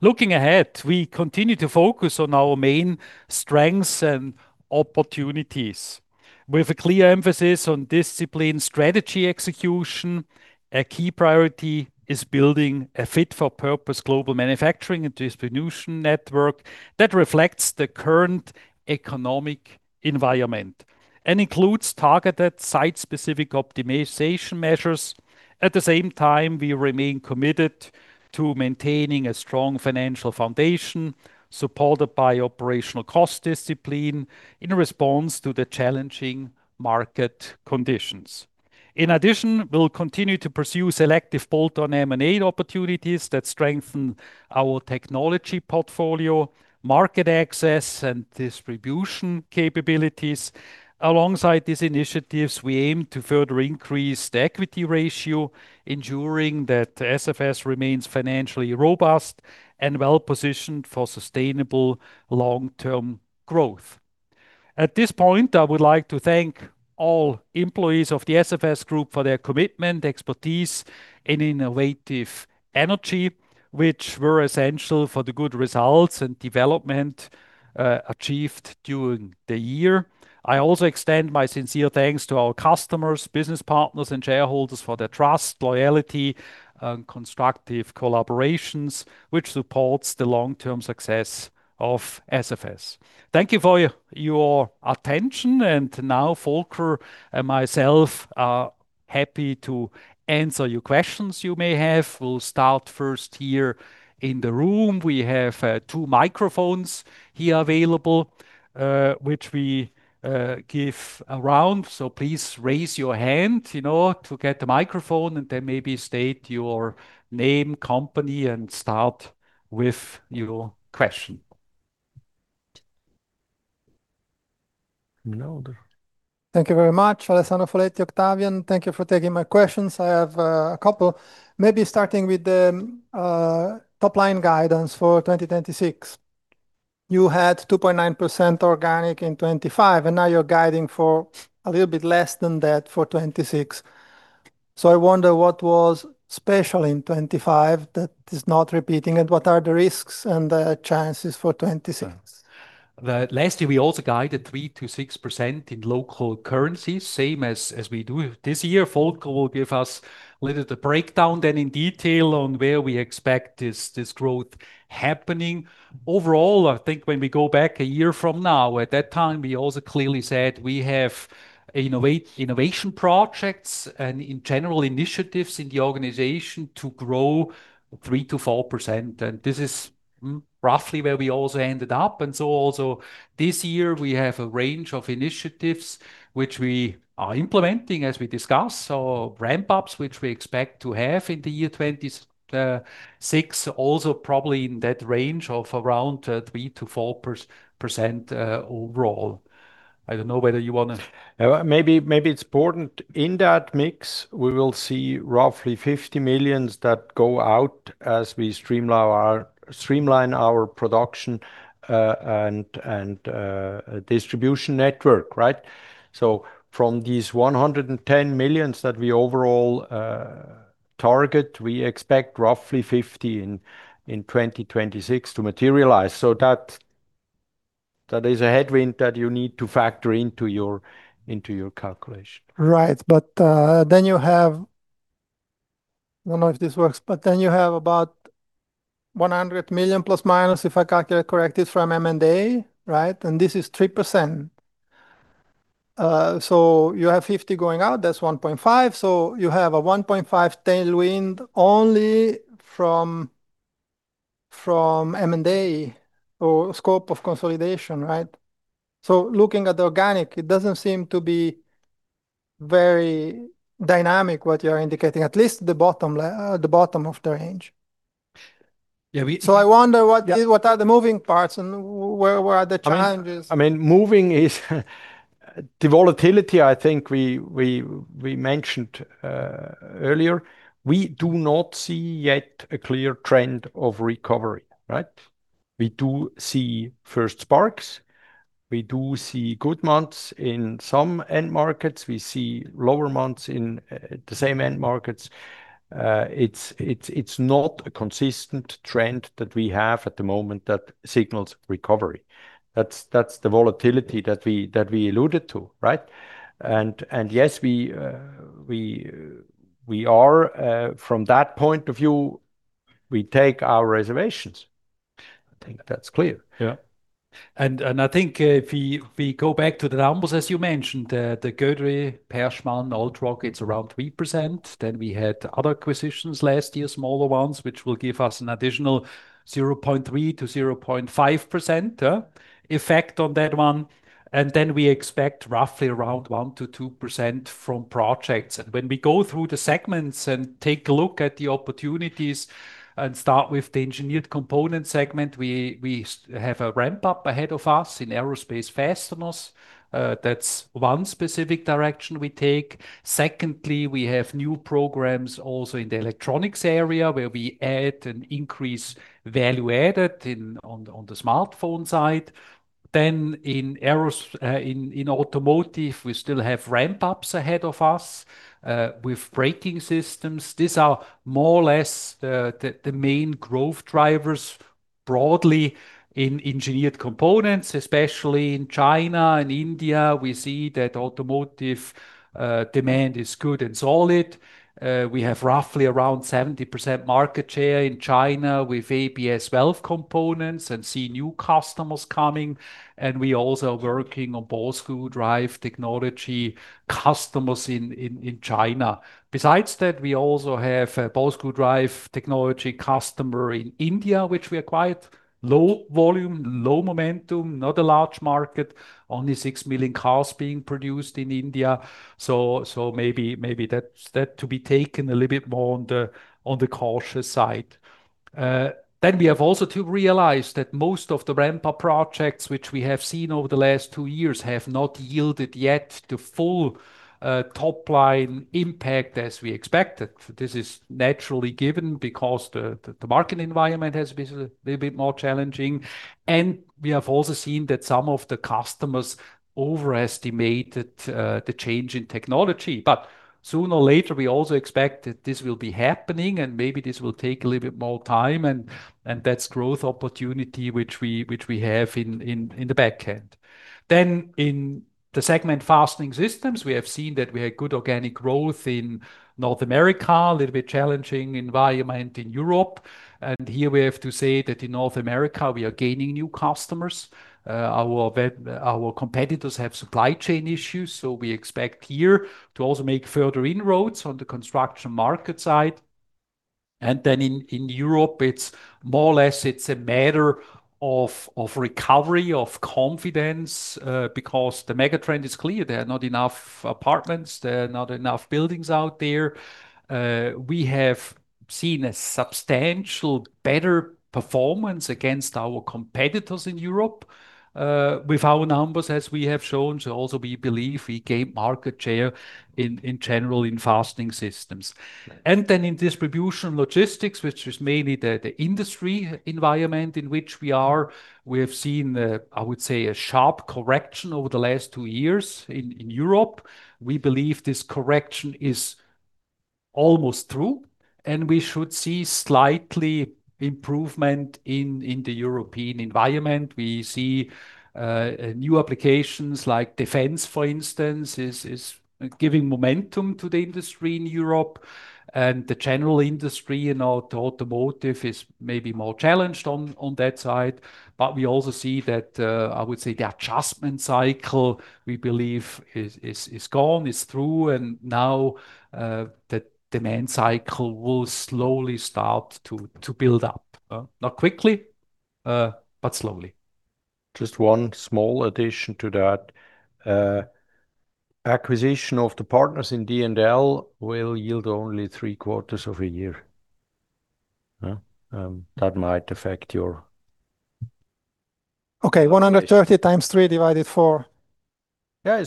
Looking ahead, we continue to focus on our main strengths and opportunities. With a clear emphasis on disciplined strategy execution, a key priority is building a fit-for-purpose global manufacturing and distribution network that reflects the current economic environment and includes targeted site-specific optimization measures. At the same time, we remain committed to maintaining a strong financial foundation, supported by operational cost discipline in response to the challenging market conditions. In addition, we'll continue to pursue selective bolt-on M&A opportunities that strengthen our technology portfolio, market access, and distribution capabilities. Alongside these initiatives, we aim to further increase the equity ratio, ensuring that SFS remains financially robust and well-positioned for sustainable long-term growth. At this point, I would like to thank all employees of the SFS Group for their commitment, expertise, and innovative energy, which were essential for the good results and development achieved during the year. I also extend my sincere thanks to our customers, business partners, and shareholders for their trust, loyalty, and constructive collaborations, which supports the long-term success of SFS. Thank you for your attention. Now Volker and myself are happy to answer your questions you may have. We'll start first here in the room. We have two microphones here available, which we give around. Please raise your hand, you know, to get the microphone, maybe state your name, company, and start with your question. No other. Thank you very much. Alessandro Folletti, Octavian. Thank you for taking my questions. I have a couple. Maybe starting with the top-line guidance for 2026. You had 2.9% organic in 2025, and now you're guiding for a little bit less than that for 2026. I wonder what was special in 2025 that is not repeating, and what are the risks and the chances for 2026? Last year, we also guided 3%-6% in local currencies, same as we do this year. Volker will give us a little breakdown then in detail on where we expect this growth happening. Overall, I think when we go back a year from now, at that time, we also clearly said we have innovation projects and in general, initiatives in the organization to grow 3%-4%, and this is roughly where we also ended up. Also this year, we have a range of initiatives which we are implementing as we discuss. So ramp-ups, which we expect to have in the year 2026, also probably in that range of around 3%-4% overall. I don't know whether you. Maybe it's important. In that mix, we will see roughly 50 million that go out as we streamline our production and distribution network, right. From these 110 million that we overall target, we expect roughly 50 in 2026 to materialize. That is a headwind that you need to factor into your calculation. Right. Then you have I don't know if this works, then you have about 100 million ±, if I calculate correctly, from M&A, right? This is 3%. You have 50 going out, that's 1.5%, you have a 1.5% tailwind only from M&A or scope of consolidation, right? Looking at the organic, it doesn't seem to be very dynamic what you're indicating, at least the bottom of the range. Yeah. I wonder. Yeah... what are the moving parts and where are the challenges? I mean, moving is the volatility, I think we mentioned earlier. We do not see yet a clear trend of recovery, right? We do see first sparks. We do see good months in some end markets. We see lower months in the same end markets. It's not a consistent trend that we have at the moment that signals recovery. That's the volatility that we alluded to, right? Yes, we are from that point of view, we take our reservations. I think that's clear. I think if we go back to the numbers, as you mentioned, the Gödde, Perschmann, Oltrogge, it's around 3%. We had other acquisitions last year, smaller ones, which will give us an additional 0.3%-0.5% effect on that one. We expect roughly around 1%-2% from projects. When we go through the segments and take a look at the opportunities and start with the Engineered Components segment, we have a ramp-up ahead of us in aerospace fasteners. That's one specific direction we take. Secondly, we have new programs also in the electronics area, where we add and increase value added in, on the smartphone side. In automotive, we still have ramp-ups ahead of us with braking systems. These are more or less the main growth drivers broadly in Engineered Components, especially in China and India, we see that automotive demand is good and solid. We have roughly around 70% market share in China with ABS valve components and see new customers coming, and we also are working on ball screw drive technology customers in China. Besides that, we also have a ball screw drive technology customer in India, which we acquired. Low volume, low momentum, not a large market. Only 6 million cars being produced in India. So maybe that's to be taken a little bit more on the cautious side. We have also to realize that most of the ramp-up projects which we have seen over the last two years have not yielded yet the full top-line impact as we expected. This is naturally given because the market environment has been a little bit more challenging. We have also seen that some of the customers overestimated the change in technology. Sooner or later, we also expect that this will be happening, and maybe this will take a little bit more time and that's growth opportunity which we have in the back end. In the segment Fastening Systems, we have seen that we had good organic growth in North America. A little bit challenging environment in Europe. Here we have to say that in North America, we are gaining new customers. Our competitors have supply chain issues. We expect here to also make further inroads on the construction market side. In Europe, it's more or less it's a matter of recovery, of confidence, because the mega trend is clear. There are not enough apartments. There are not enough buildings out there. We have seen a substantial better performance against our competitors in Europe with our numbers as we have shown. Also we believe we gained market share in general in Fastening Systems. In Distribution & Logistics, which is mainly the industry environment in which we are, we have seen, I would say a sharp correction over the last two years in Europe. We believe this correction is almost through, and we should see slightly improvement in the European environment. We see new applications like defense, for instance, is giving momentum to the industry in Europe. The general industry in automotive is maybe more challenged on that side. We also see that I would say the adjustment cycle, we believe is gone, is through and now the demand cycle will slowly start to build up. Not quickly, but slowly. Just one small addition to that. Acquisition of the partners in D&L will yield only three quarters of a year. That might affect. Okay. 130x three divided four. Yeah.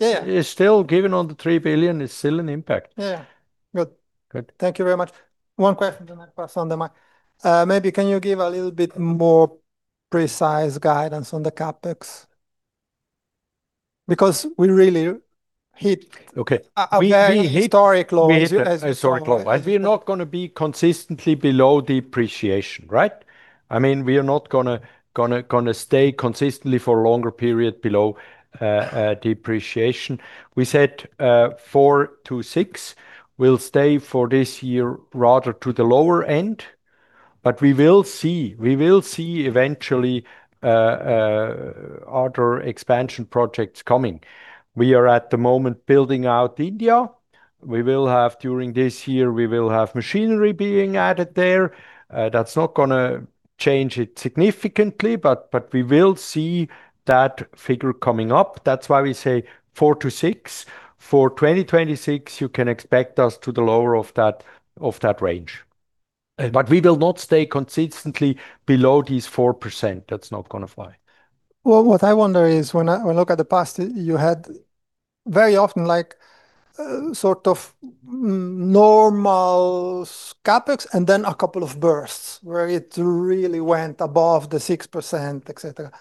Yeah. It's still giving on the 3 billion. It's still an impact. Yeah. Good. Good. Thank you very much. One question. I pass on the mic. Maybe can you give a little bit more precise guidance on the CapEx? Okay A very historic low. We hit a historic low, we are not gonna be consistently below depreciation, right? I mean, we are not gonna stay consistently for a longer period below depreciation. We said 4%-6% will stay for this year rather to the lower end, but we will see. We will see eventually other expansion projects coming. We are at the moment building out India. We will have, during this year, we will have machinery being added there. That's not gonna change it significantly, but we will see that figure coming up. That's why we say 4%-6%. For 2026, you can expect us to the lower of that range. But we will not stay consistently below these 4%. That's not gonna fly. Well, what I wonder is when I look at the past, you had very often like, sort of, normal CapEx and then a couple of bursts where it really went above the 6%, et cetera.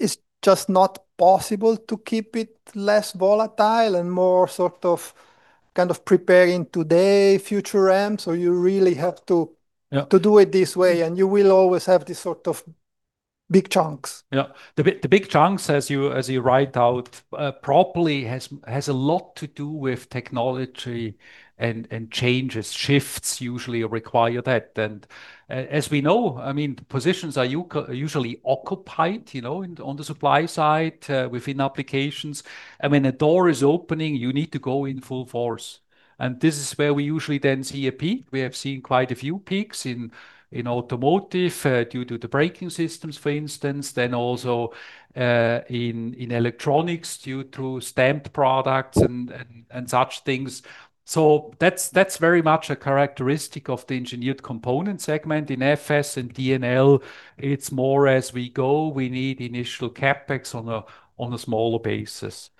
It's just not possible to keep it less volatile and more sort of kind of preparing today future AM? You really have to. Yeah... to do it this way, and you will always have these sort of big chunks. Yeah. The big chunks, as you write out, properly has a lot to do with technology and changes. Shifts usually require that. As we know, I mean, positions are usually occupied, you know, in, on the supply side, within applications. When a door is opening, you need to go in full force. This is where we usually then see a peak. We have seen quite a few peaks in automotive, due to the braking systems, for instance. Also, in electronics due to stamped products and such things. That's very much a characteristic of the Engineered Components segment. In FS and D&L, it's more as we go, we need initial CapEx on a smaller basis.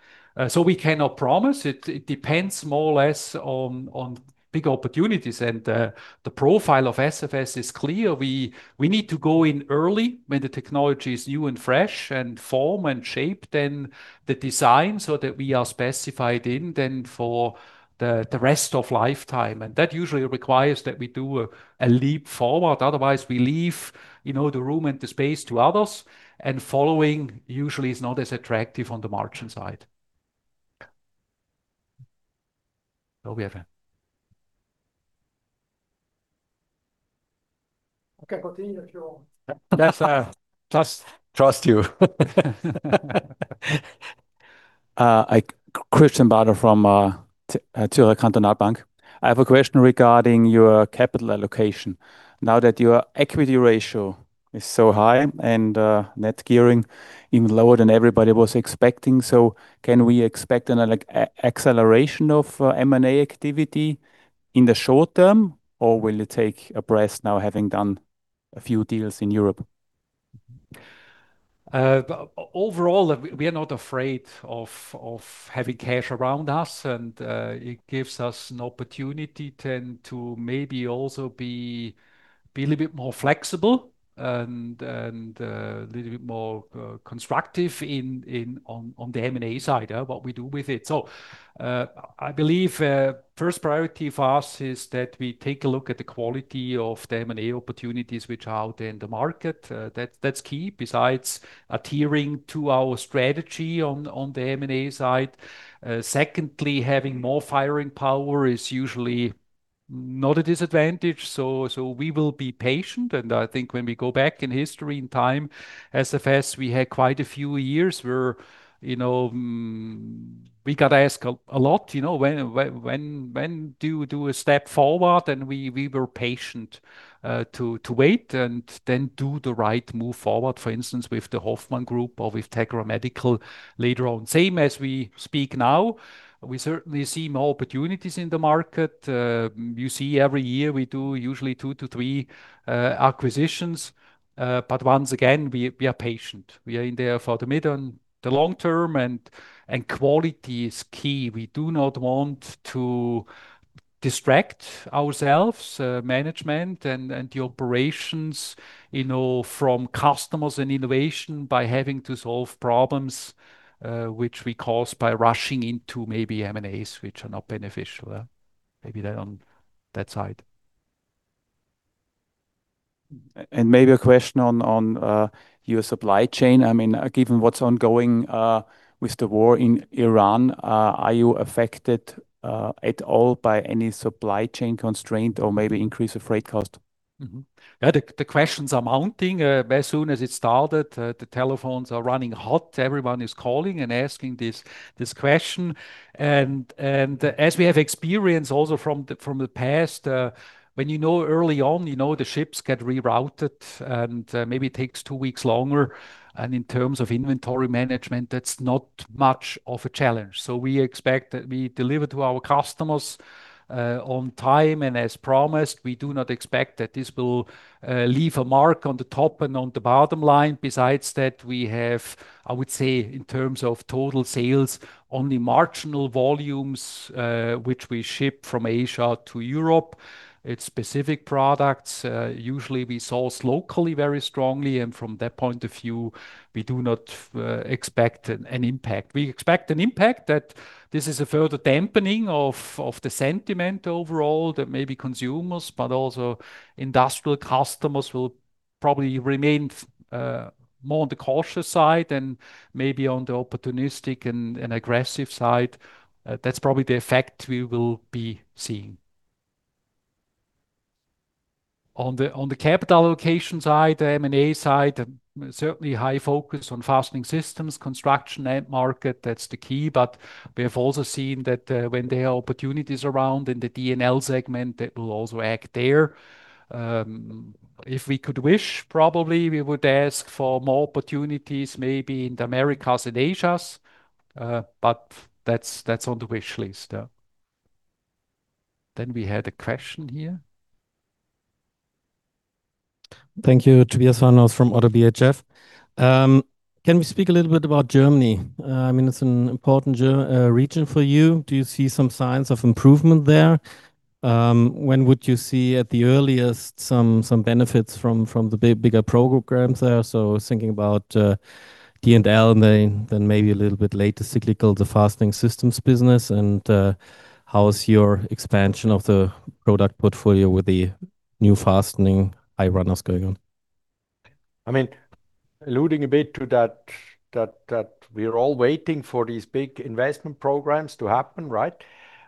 We cannot promise. It depends more or less on big opportunities and the profile of SFS is clear. We need to go in early when the technology is new and fresh, and form and shape then the design so that we are specified in then for the rest of lifetime, and that usually requires that we do a leap forward, otherwise we leave, you know, the room and the space to others, and following usually is not as attractive on the margin side. Oh, we have a. Okay. Continue if you want. Yes. trust you. Christian Bader from Zürcher Kantonalbank. I have a question regarding your capital allocation. Now that your equity ratio is so high and net gearing even lower than everybody was expecting, can we expect an acceleration of M&A activity in the short term, or will it take a rest now having done a few deals in Europe? Overall, we are not afraid of having cash around us and it gives us an opportunity then to maybe also be a little bit more flexible and a little bit more constructive on the M&A side, what we do with it. I believe, first priority for us is that we take a look at the quality of the M&A opportunities which are out in the market. That's key. Besides adhering to our strategy on the M&A side. Secondly, having more firing power is usually not a disadvantage. We will be patient, I think when we go back in history and time, SFS, we had quite a few years where, you know, we got asked a lot, you know, "When do you do a step forward?" We were patient to wait and then do the right move forward. For instance, with the Hoffmann Group or with Tegra Medical later on. Same as we speak now, we certainly see more opportunities in the market. You see every year we do usually two to three acquisitions, once again, we are patient. We are in there for the mid and the long term and quality is key. We do not want to distract ourselves, management and the operations, you know, from customers and innovation by having to solve problems, which we cause by rushing into maybe M&As which are not beneficial. Maybe that on that side. Maybe a question on your supply chain. I mean, given what's ongoing with the war in Iran, are you affected at all by any supply chain constraint or maybe increase of freight cost? Yeah. The questions are mounting. As soon as it started, the telephones are running hot. Everyone is calling and asking this question. As we have experience also from the past, when you know early on, you know the ships get rerouted and, maybe it takes two weeks longer. In terms of inventory management, that's not much of a challenge. We expect that we deliver to our customers, on time and as promised. We do not expect that this will leave a mark on the top and on the bottom line. Besides that, we have, I would say, in terms of total sales, only marginal volumes, which we ship from Asia to Europe. It's specific products. Usually we source locally very strongly. From that point of view, we do not expect an impact. We expect an impact that this is a further dampening of the sentiment overall that maybe consumers, but also industrial customers probably remained more on the cautious side than maybe on the opportunistic and aggressive side. That's probably the effect we will be seeing. On the capital allocation side, the M&A side, certainly high focus on Fastening Systems, construction end market, that's the key. We have also seen that, when there are opportunities around in the D&L segment, that we'll also act there. If we could wish, probably we would ask for more opportunities maybe in the Americas and Asias, but that's on the wish list. We had a question here. Thank you. Tobias Fahrenholz from ODDO BHF. Can we speak a little bit about Germany? I mean, it's an important region for you. Do you see some signs of improvement there? When would you see at the earliest some benefits from the programs there? I was thinking about D&L main, then maybe a little bit later cyclical, the Fastening Systems business. How is your expansion of the product portfolio with the new fastening I-runners going on? I mean, alluding a bit to that we're all waiting for these big investment programs to happen, right?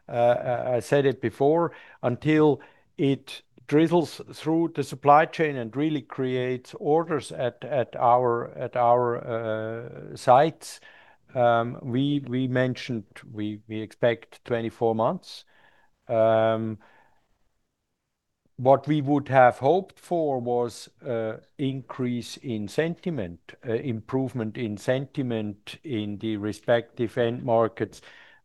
I said it before, until it drizzles through the supply chain and really creates orders at our sites, we mentioned we expect 24 months. What we would have hoped for was a increase in sentiment, improvement in sentiment in the respective end markets,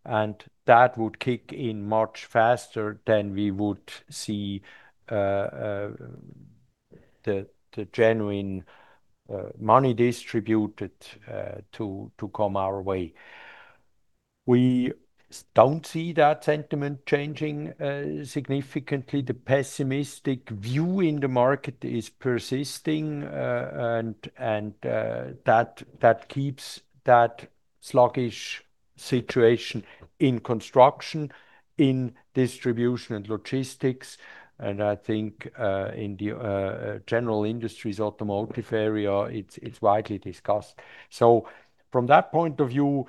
and that would kick in much faster than we would see the genuine money distributed to come our way. We don't see that sentiment changing significantly. The pessimistic view in the market is persisting, and that keeps that sluggish situation in construction, in Distribution & Logistics, and I think in the general industries automotive area, it's widely discussed. From that point of view,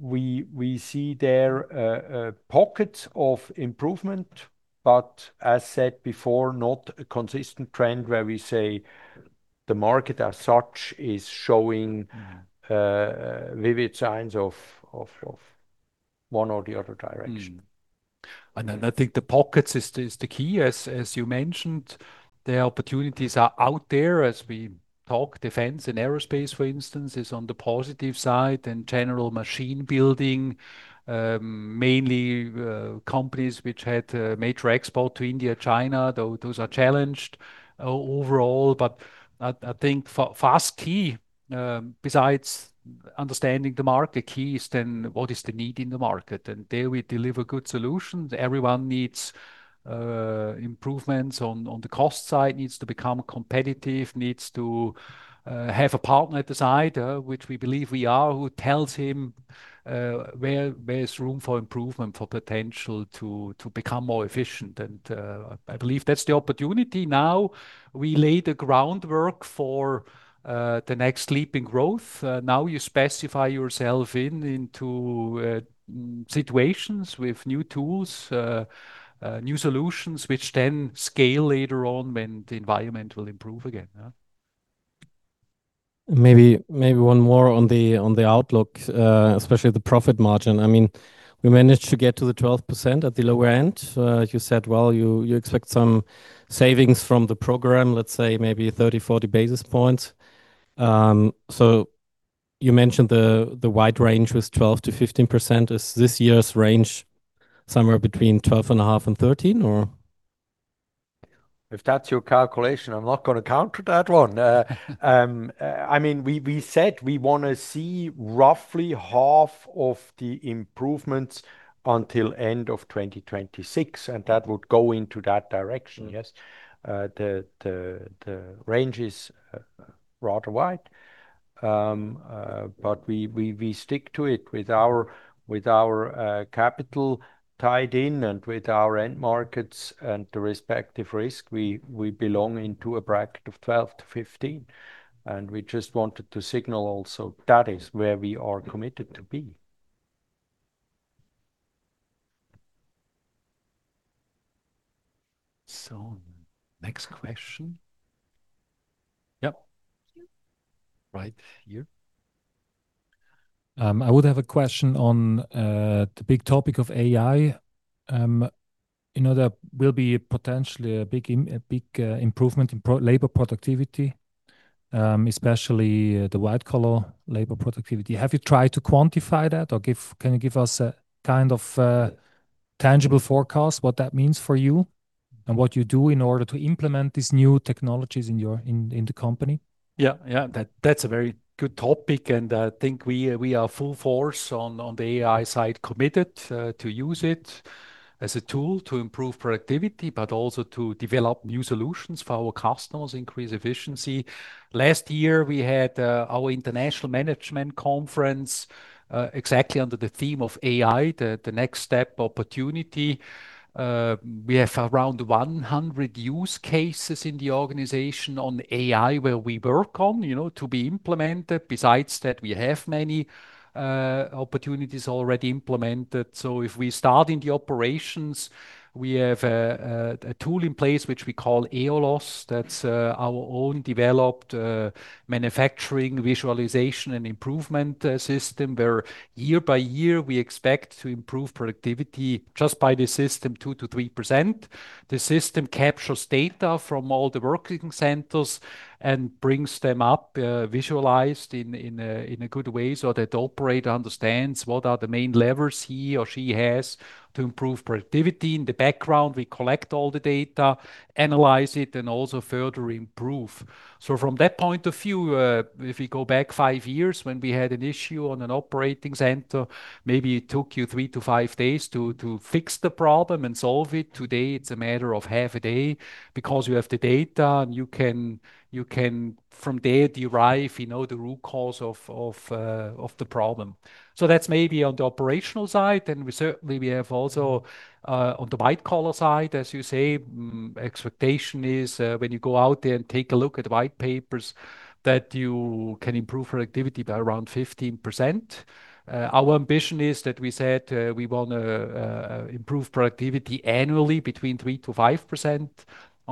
we see there pockets of improvement, but as said before, not a consistent trend where we say the market as such is showing vivid signs of one or the other direction. Mm-hmm. I think the pockets is the key. As you mentioned, the opportunities are out there as we talk. Defense and aerospace, for instance, is on the positive side, and general machine building, mainly companies which had major export to India, China, though those are challenged overall. I think for Fastening, besides understanding the market, key is then what is the need in the market? There we deliver good solutions. Everyone needs improvements on the cost side, needs to become competitive, needs to have a partner at the side, which we believe we are, who tells him where is room for improvement, for potential to become more efficient. I believe that's the opportunity. Now, we lay the groundwork for the next leap in growth. Now you specify yourself in into situations with new tools, new solutions, which then scale later on when the environment will improve again, yeah. Maybe one more on the outlook, especially the profit margin. I mean, we managed to get to the 12% at the lower end. You said, well, you expect some savings from the program, let's say maybe 30, 40 basis points. You mentioned the wide range was 12%-15%. Is this year's range somewhere between 12.5% and 13%, or? If that's your calculation, I'm not gonna counter that one. I mean, we said we wanna see roughly half of the improvements until end of 2026, and that would go into that direction. Mm. Yes. The range is rather wide. But we stick to it with our capital tied in and with our end markets and the respective risk. We belong into a bracket of 12-15. We just wanted to signal also that is where we are committed to be. Next question. Yep. Right here. I would have a question on the big topic of AI. You know, there will be potentially a big improvement in labor productivity, especially the white-collar labor productivity. Have you tried to quantify that or can you give us a kind of tangible forecast what that means for you? What you do in order to implement these new technologies in your, in the company? Yeah. That's a very good topic, and I think we are full force on the AI side committed to use it as a tool to improve productivity, but also to develop new solutions for our customers, increase efficiency. Last year we had our international management conference exactly under the theme of AI, the next step opportunity. We have around 100 use cases in the organization on AI where we work on, you know, to be implemented. Besides that, we have many opportunities already implemented. If we start in the operations, we have a tool in place which we call AOLOS. That's our own developed manufacturing visualization and improvement system where year by year we expect to improve productivity just by the system 2%-3%. The system captures data from all the working centers and brings them up, visualized in a good way so that the operator understands what are the main levers he or she has to improve productivity. In the background, we collect all the data, analyze it, and also further improve. From that point of view, if we go back five years when we had an issue on an operating center, maybe it took you three to five days to fix the problem and solve it. Today, it's a matter of half a day because you have the data, and you can from there derive, you know, the root cause of the problem. That's maybe on the operational side. We certainly, we have also on the white collar side, as you say, expectation is, when you go out there and take a look at white papers, that you can improve productivity by around 15%. Our ambition is that we said, we wanna improve productivity annually between 3%-5% on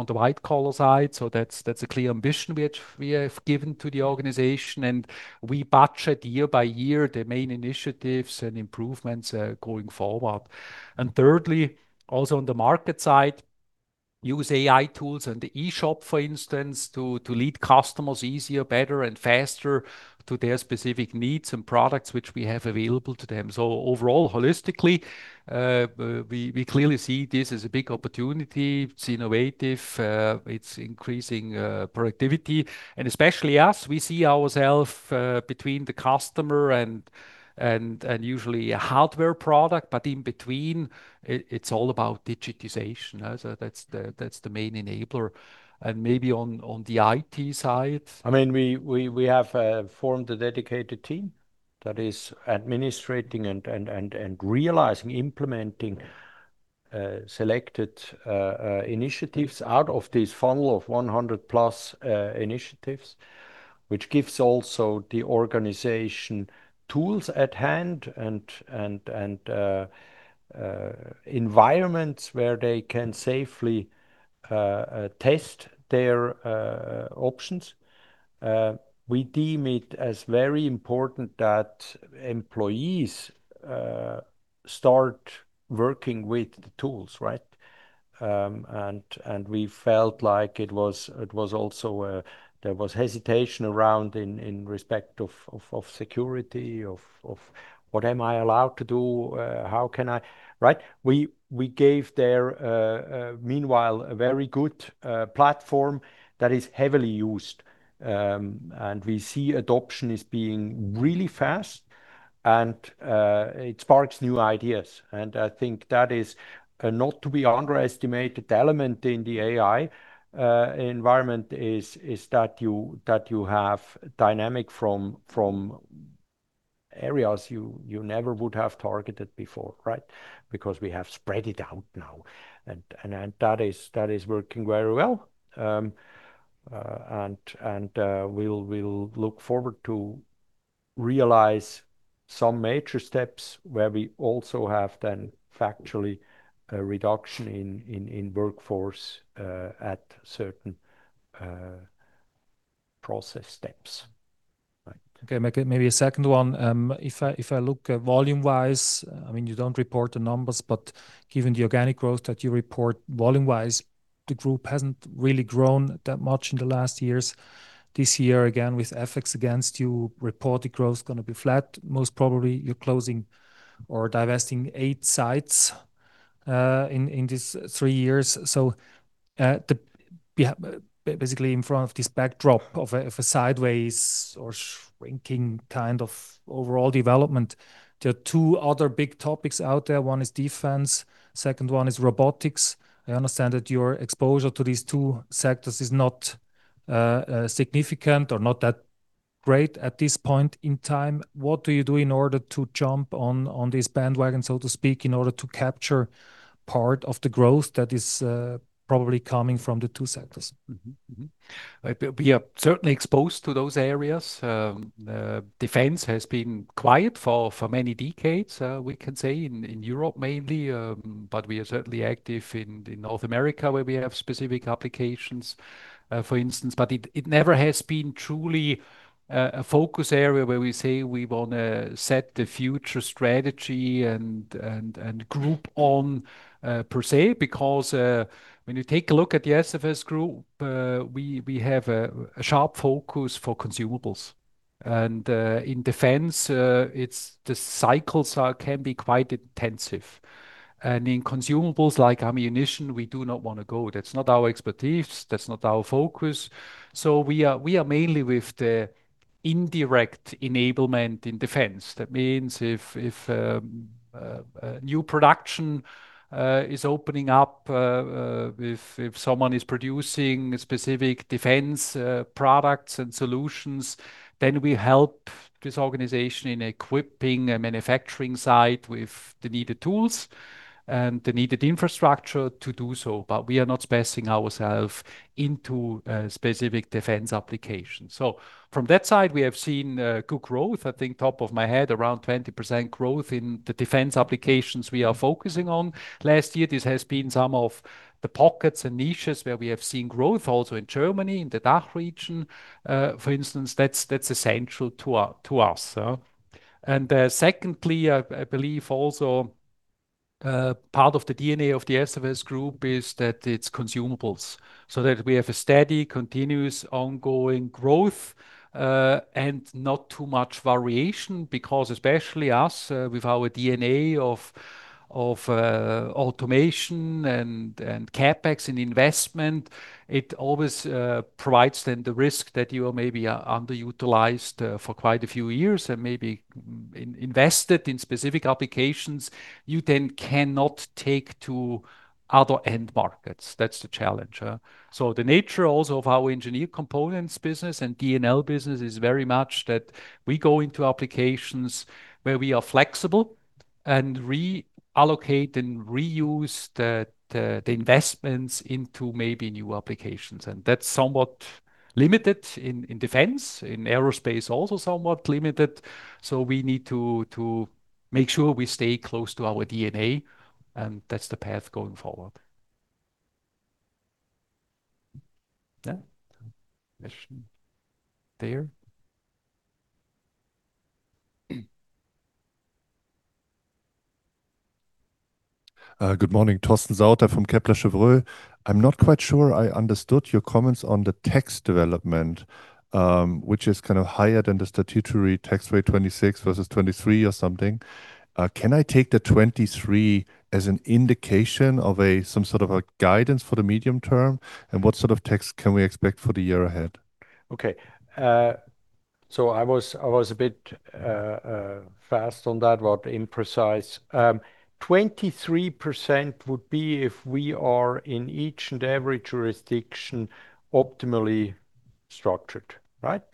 the white collar side. That's a clear ambition which we have given to the organization, and we budget year by year the main initiatives and improvements, going forward. Thirdly, also on the market side, use AI tools and the eShop, for instance, to lead customers easier, better, and faster to their specific needs and products which we have available to them. Overall, holistically, we clearly see this as a big opportunity. It's innovative, it's increasing productivity, and especially us, we see ourself between the customer and usually a hardware product, but in between, it's all about digitization. That's the main enabler. Maybe on the IT side. I mean, we have formed a dedicated team that is administrating and realizing, implementing selected initiatives out of this funnel of 100+ initiatives, which gives also the organization tools at hand and environments where they can safely test their options. We deem it as very important that employees start working with the tools, right? We felt like it was, it was also there was hesitation around in respect of security, of what am I allowed to do? How can I? Right? We gave there meanwhile a very good platform that is heavily used. We see adoption is being really fast, and it sparks new ideas. I think that is a not to be underestimated element in the AI environment is that you have dynamic from areas you never would have targeted before, right. We have spread it out now and that is working very well. We'll look forward to realize some major steps where we also have then factually a reduction in workforce at certain process steps. Right. Okay. Maybe a second one. I mean, if I look volume-wise, you don't report the numbers, but given the organic growth that you report volume-wise, the group hasn't really grown that much in the last years. This year, again, with FX against you, reported growth's gonna be flat. Most probably you're closing or divesting eight sites in this three years. Basically in front of this backdrop of a, of a sideways or shrinking kind of overall development, there are two other big topics out there. One is defense, two is robotics. I understand that your exposure to these two sectors is not significant or not that great at this point in time. What do you do in order to jump on this bandwagon, so to speak, in order to capture part of the growth that is probably coming from the two sectors? Mm-hmm. Mm-hmm. We are certainly exposed to those areas. Defense has been quiet for many decades, we can say in Europe mainly. We are certainly active in North America where we have specific applications, for instance. It never has been truly a focus area where we say we wanna set the future strategy and group on per se. When you take a look at the SFS Group, we have a sharp focus for consumables. In defense, the cycles can be quite intensive. In consumables like ammunition, we do not wanna go. That's not our expertise, that's not our focus. We are mainly with the indirect enablement in defense. That means if new production is opening up, if someone is producing specific defense products and solutions, then we help this organization in equipping a manufacturing site with the needed tools and the needed infrastructure to do so. We are not spacing ourself into specific defense applications. From that side, we have seen good growth. I think top of my head, around 20% growth in the defense applications we are focusing on. Last year, this has been some of the pockets and niches where we have seen growth also in Germany, in the DACH region, for instance. That's essential to us. Secondly, I believe also part of the DNA of the SFS Group is that it's consumables, so that we have a steady, continuous, ongoing growth, and not too much variation. Because especially us, with our DNA of automation and CapEx and investment, it always provides then the risk that you are maybe underutilized for quite a few years and maybe invested in specific applications you then cannot take to other end markets. That's the challenge. The nature also of our Engineered Components business and D&L business is very much that we go into applications where we are flexible and reallocate and reuse the investments into maybe new applications. That's somewhat limited in defense. In aerospace, also somewhat limited. We need to make sure we stay close to our DNA, and that's the path going forward. Yeah. Question there. Good morning. Torsten Sauter from Kepler Cheuvreux. I'm not quite sure I understood your comments on the tax development, which is kind of higher than the statutory tax rate, 26% versus 23% or something. Can I take the 23% as an indication of some sort of a guidance for the medium term? What sort of tax can we expect for the year ahead? Okay. I was a bit fast on that, or imprecise. 23% would be if we are in each and every jurisdiction optimally structured, right?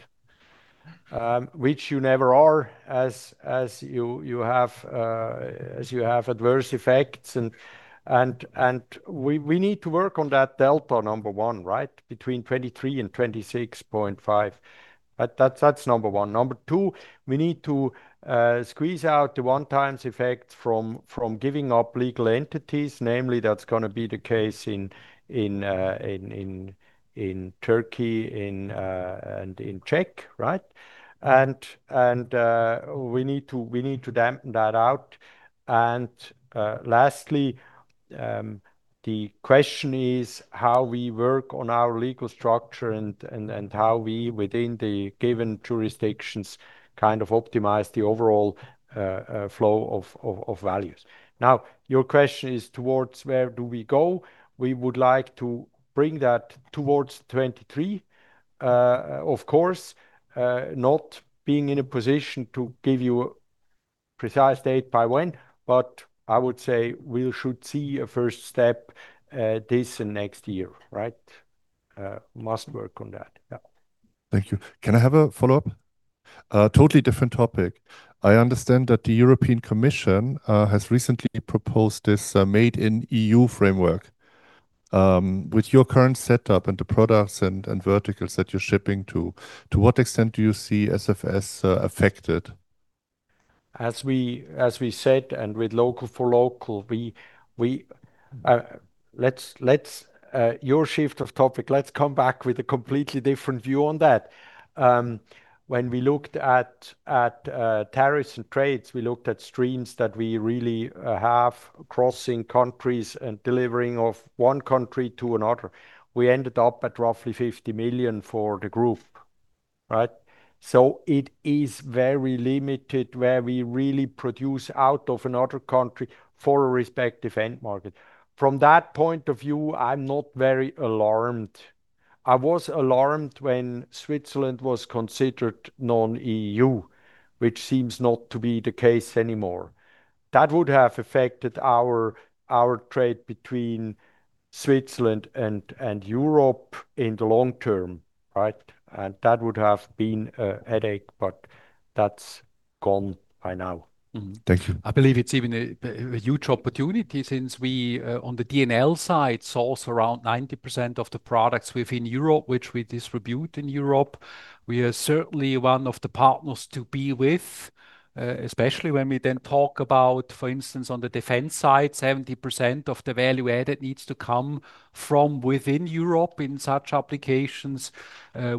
Which you never are, as you have adverse effects. We need to work on that delta, number one, right, between 23% and 26.5%. That's number one. Number two, we need to squeeze out the one-times effect from giving up legal entities, namely that's going to be the case in Turkey and in Czech, right? We need to dampen that out. Lastly, the question is how we work on our legal structure and how we, within the given jurisdictions, kind of optimize the overall flow of values. Your question is towards where do we go? We would like to bring that towards 2023. Of course, not being in a position to give you precise date by when, but I would say we should see a first step this and next year, right? Must work on that. Yeah. Thank you. Can I have a follow-up? A totally different topic. I understand that the European Commission has recently proposed this Made in Europe framework. With your current setup and the products and verticals that you're shipping to what extent do you see SFS affected? As we said, and with local for local, let's come back with a completely different view on that. When we looked at tariffs and trades, we looked at streams that we really have crossing countries and delivering of one country to another. We ended up at roughly 50 million for the group, right? It is very limited where we really produce out of another country for a respective end market. From that point of view, I'm not very alarmed. I was alarmed when Switzerland was considered non-EU, which seems not to be the case anymore. That would have affected our trade between Switzerland and Europe in the long term, right? That would have been a headache, but that's gone by now. Mm-hmm. Thank you. I believe it's even a huge opportunity since we on the D&L side, source around 90% of the products within Europe, which we distribute in Europe. We are certainly one of the partners to be with, especially when we then talk about, for instance, on the defense side, 70% of the value added needs to come from within Europe in such applications.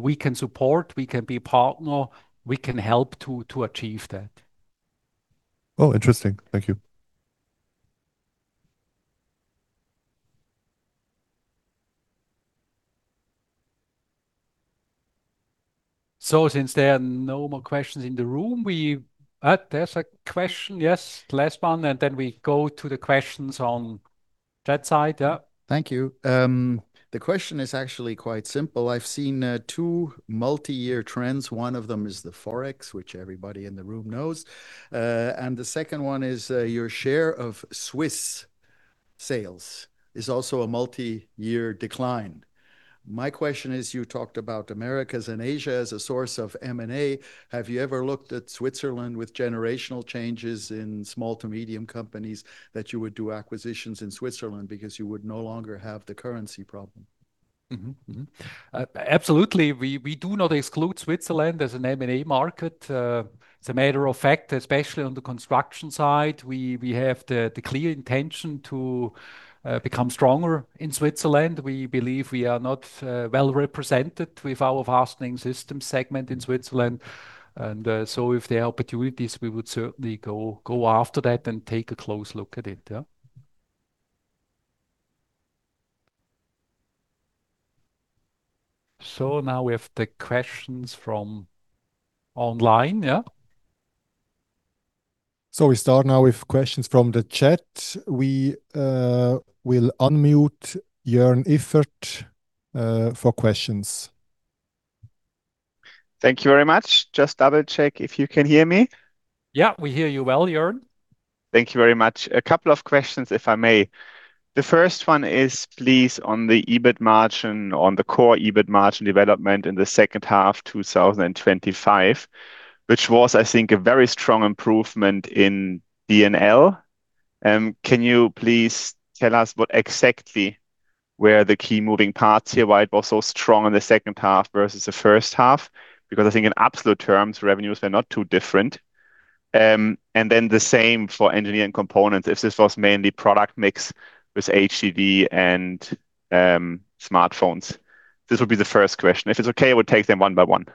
We can support, we can be partner, we can help to achieve that. Oh, interesting. Thank you. Since there are no more questions in the room. There's a question. Yes, last one, and then we go to the questions on that side. Yeah. Thank you. The question is actually quite simple. I've seen two multi-year trends. One of them is the Forex, which everybody in the room knows. The second one is, your share of Swiss sales is also a multi-year decline. My question is, you talked about Americas and Asia as a source of M&A. Have you ever looked at Switzerland with generational changes in small to medium companies that you would do acquisitions in Switzerland because you would no longer have the currency problem? Mm-hmm. Mm-hmm. Absolutely, we do not exclude Switzerland as an M&A market. As a matter of fact, especially on the construction side, we have the clear intention to become stronger in Switzerland. We believe we are not well-represented with our Fastening Systems segment in Switzerland. If there are opportunities, we would certainly go after that and take a close look at it. Yeah. Now we have the questions from online. Yeah. We start now with questions from the chat. We will unmute Jörn Iffert for questions. Thank you very much. Just double-check if you can hear me. Yeah, we hear you well, Jörn. Thank you very much. A couple of questions, if I may. The first one is please on the EBIT margin, on the core EBIT margin development in the second half 2025, which was, I think, a very strong improvement in D&L. Can you please tell us what exactly were the key moving parts here, why it was so strong in the second half versus the first half? Because I think in absolute terms, revenues were not too different. The same for Engineered Components, if this was mainly product mix with HDD and smartphones. This would be the first question. If it's okay, we'll take them one by one.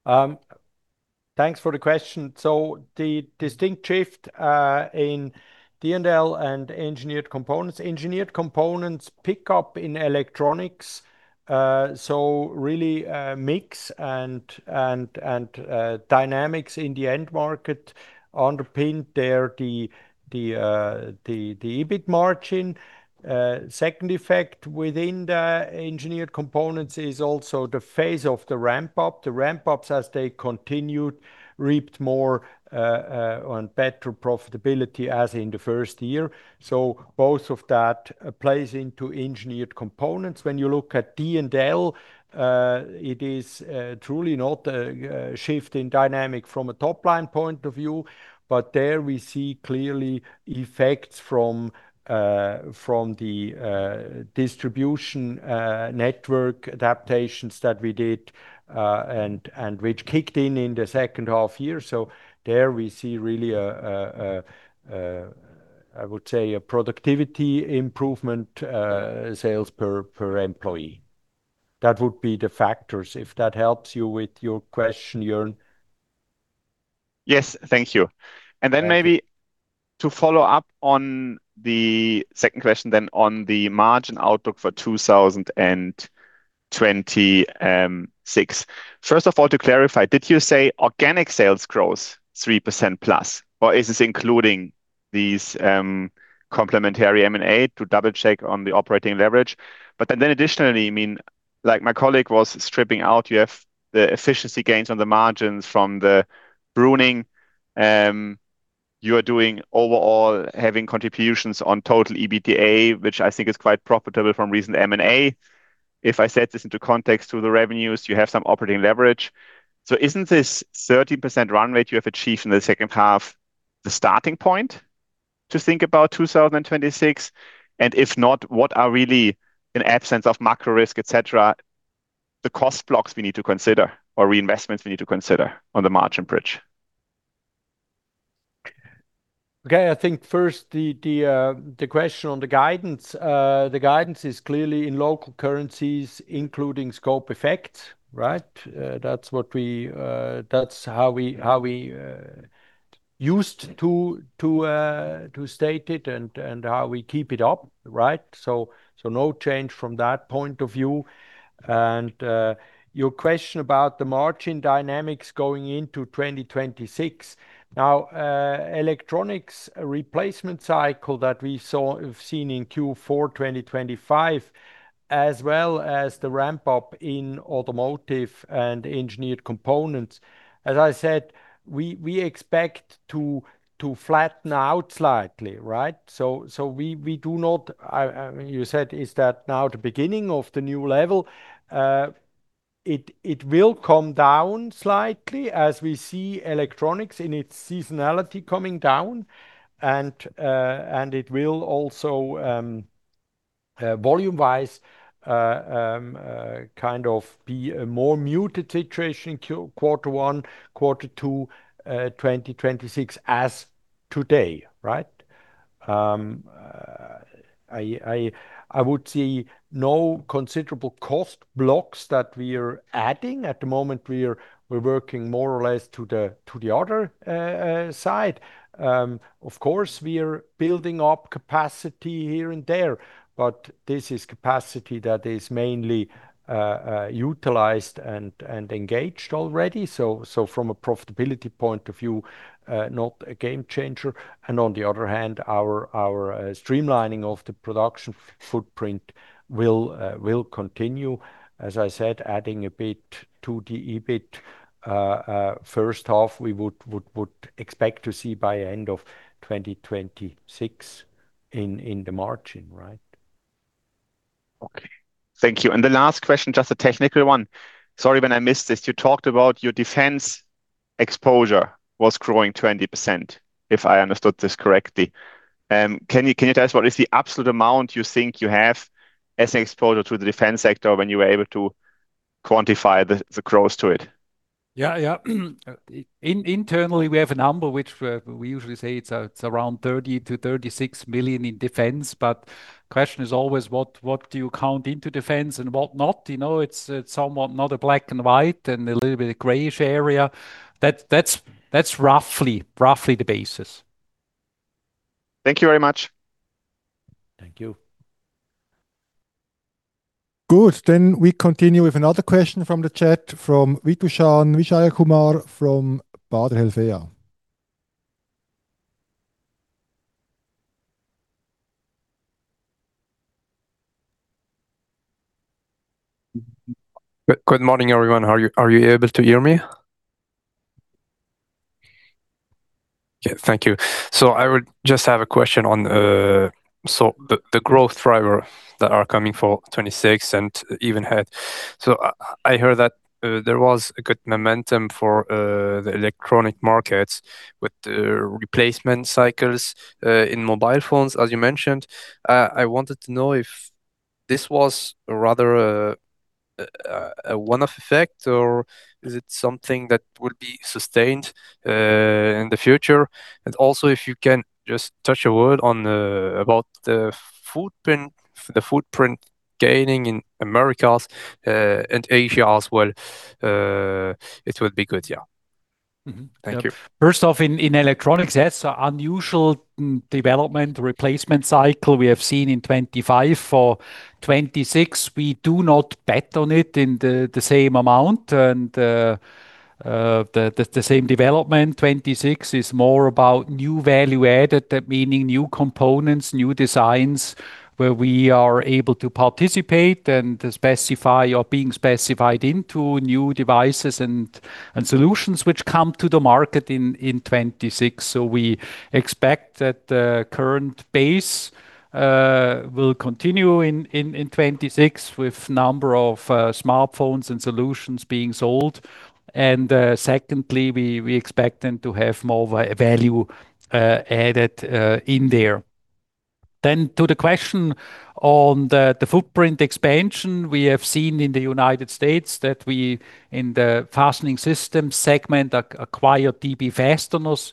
Yeah. Thanks for the question. The distinct shift in D&L and Engineered Components, Engineered Components pick up in electronics. Really, mix and dynamics in the end market underpinned there the EBIT margin. Second effect within the Engineered Components is also the phase of the ramp up. The ramp ups as they continued reaped more and better profitability as in the first year. Both of that plays into Engineered Components. When you look at D&L, it is truly not a shift in dynamic from a top line point of view, but there we see clearly effects from from the distribution network adaptations that we did and which kicked in in the second half year. There we see really a, I would say, a productivity improvement, sales per employee. That would be the factors, if that helps you with your question, Jörn. Yes. Thank you. Yeah. Maybe to follow up on the second question then on the margin outlook for 2026. First of all, to clarify, did you say organic sales growth 3%+, or is this including these complementary M&A to double-check on the operating leverage? Additionally, I mean, like my colleague was stripping out, you have the efficiency gains on the margins from the pruning you are doing overall having contributions on total EBITDA, which I think is quite profitable from recent M&A. If I set this into context to the revenues, you have some operating leverage. Isn't this 13% run rate you have achieved in the second half the starting point to think about 2026? If not, what are really, in absence of macro risk, et cetera, the cost blocks we need to consider or reinvestments we need to consider on the margin bridge? Okay. I think first, the question on the guidance. The guidance is clearly in local currencies, including scope effects, right? That's what we, that's how we used to state it and how we keep it up, right? So no change from that point of view. Your question about the margin dynamics going into 2026. Now, electronics replacement cycle that we've seen in Q4 2025, as well as the ramp-up in automotive and Engineered Components, as I said, we expect to flatten out slightly, right? So we do not, you said, is that now the beginning of the new level? It will come down slightly as we see electronics in its seasonality coming down. it will also, volume-wise, kind of be a more muted situation in quarter one, quarter two, 2026 as today, right? I would see no considerable cost blocks that we are adding. At the moment, we're working more or less to the other side. Of course, we are building up capacity here and there, but this is capacity that is mainly utilized and engaged already. From a profitability point of view, not a game changer. On the other hand, our streamlining of the production footprint will continue. As I said, adding a bit to the EBIT first half we would expect to see by end of 2026 in the margin, right? Okay. Thank you. The last question, just a technical one. Sorry when I missed this. You talked about your defense exposure was growing 20%, if I understood this correctly. Can you tell us what is the absolute amount you think you have as an exposure to the defense sector when you were able to quantify the growth to it? Yeah, yeah. Internally, we have a number which we usually say it's around 30 million-36 million in defense, but question is always what do you count into defense and what not, you know? It's somewhat not a black and white and a little bit of grayish area. That's roughly the basis. Thank you very much. Thank you. Good. We continue with another question from the chat from Vitushan Vijayakumar from Baader Helvea. Good morning, everyone. Are you able to hear me? Thank you. I would just have a question on the growth driver that are coming for 2026 and even ahead. I heard that there was a good momentum for the electronic markets with the replacement cycles in mobile phones, as you mentioned. I wanted to know if this was rather a one-off effect or is it something that would be sustained in the future? Also, if you can just touch a word on about the footprint gaining in Americas and Asia as well, it would be good. Mm-hmm. Thank you. First off, in electronics, yes, unusual development replacement cycle we have seen in 2025. For 2026, we do not bet on it in the same amount and the same development. 2026 is more about new value added, meaning new components, new designs where we are able to participate and specify or being specified into new devices and solutions which come to the market in 2026. We expect that the current base will continue in 2026 with number of smartphones and solutions being sold. Secondly, we expecting to have more value added in there. To the question on the footprint expansion, we have seen in the United States that we, in the Fastening Systems segment, acquired TB Fasteners.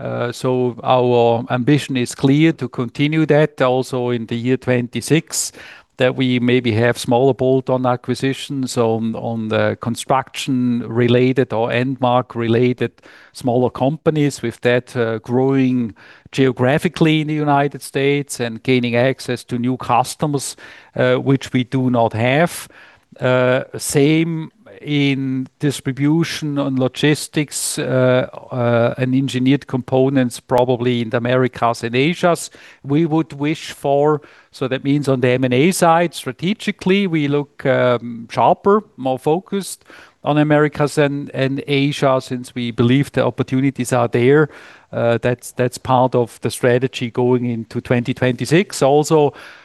Our ambition is clear to continue that also in the year 2026, that we maybe have smaller bolt-on acquisitions on the construction-related or end mark-related smaller companies. With that, growing geographically in the United States and gaining access to new customers, which we do not have. Same in Distribution & Logistics, and Engineered Components probably in the Americas and Asia. We would wish for. That means on the M&A side, strategically, we look sharper, more focused on Americas and Asia since we believe the opportunities are there. That's, that's part of the strategy going into 2026.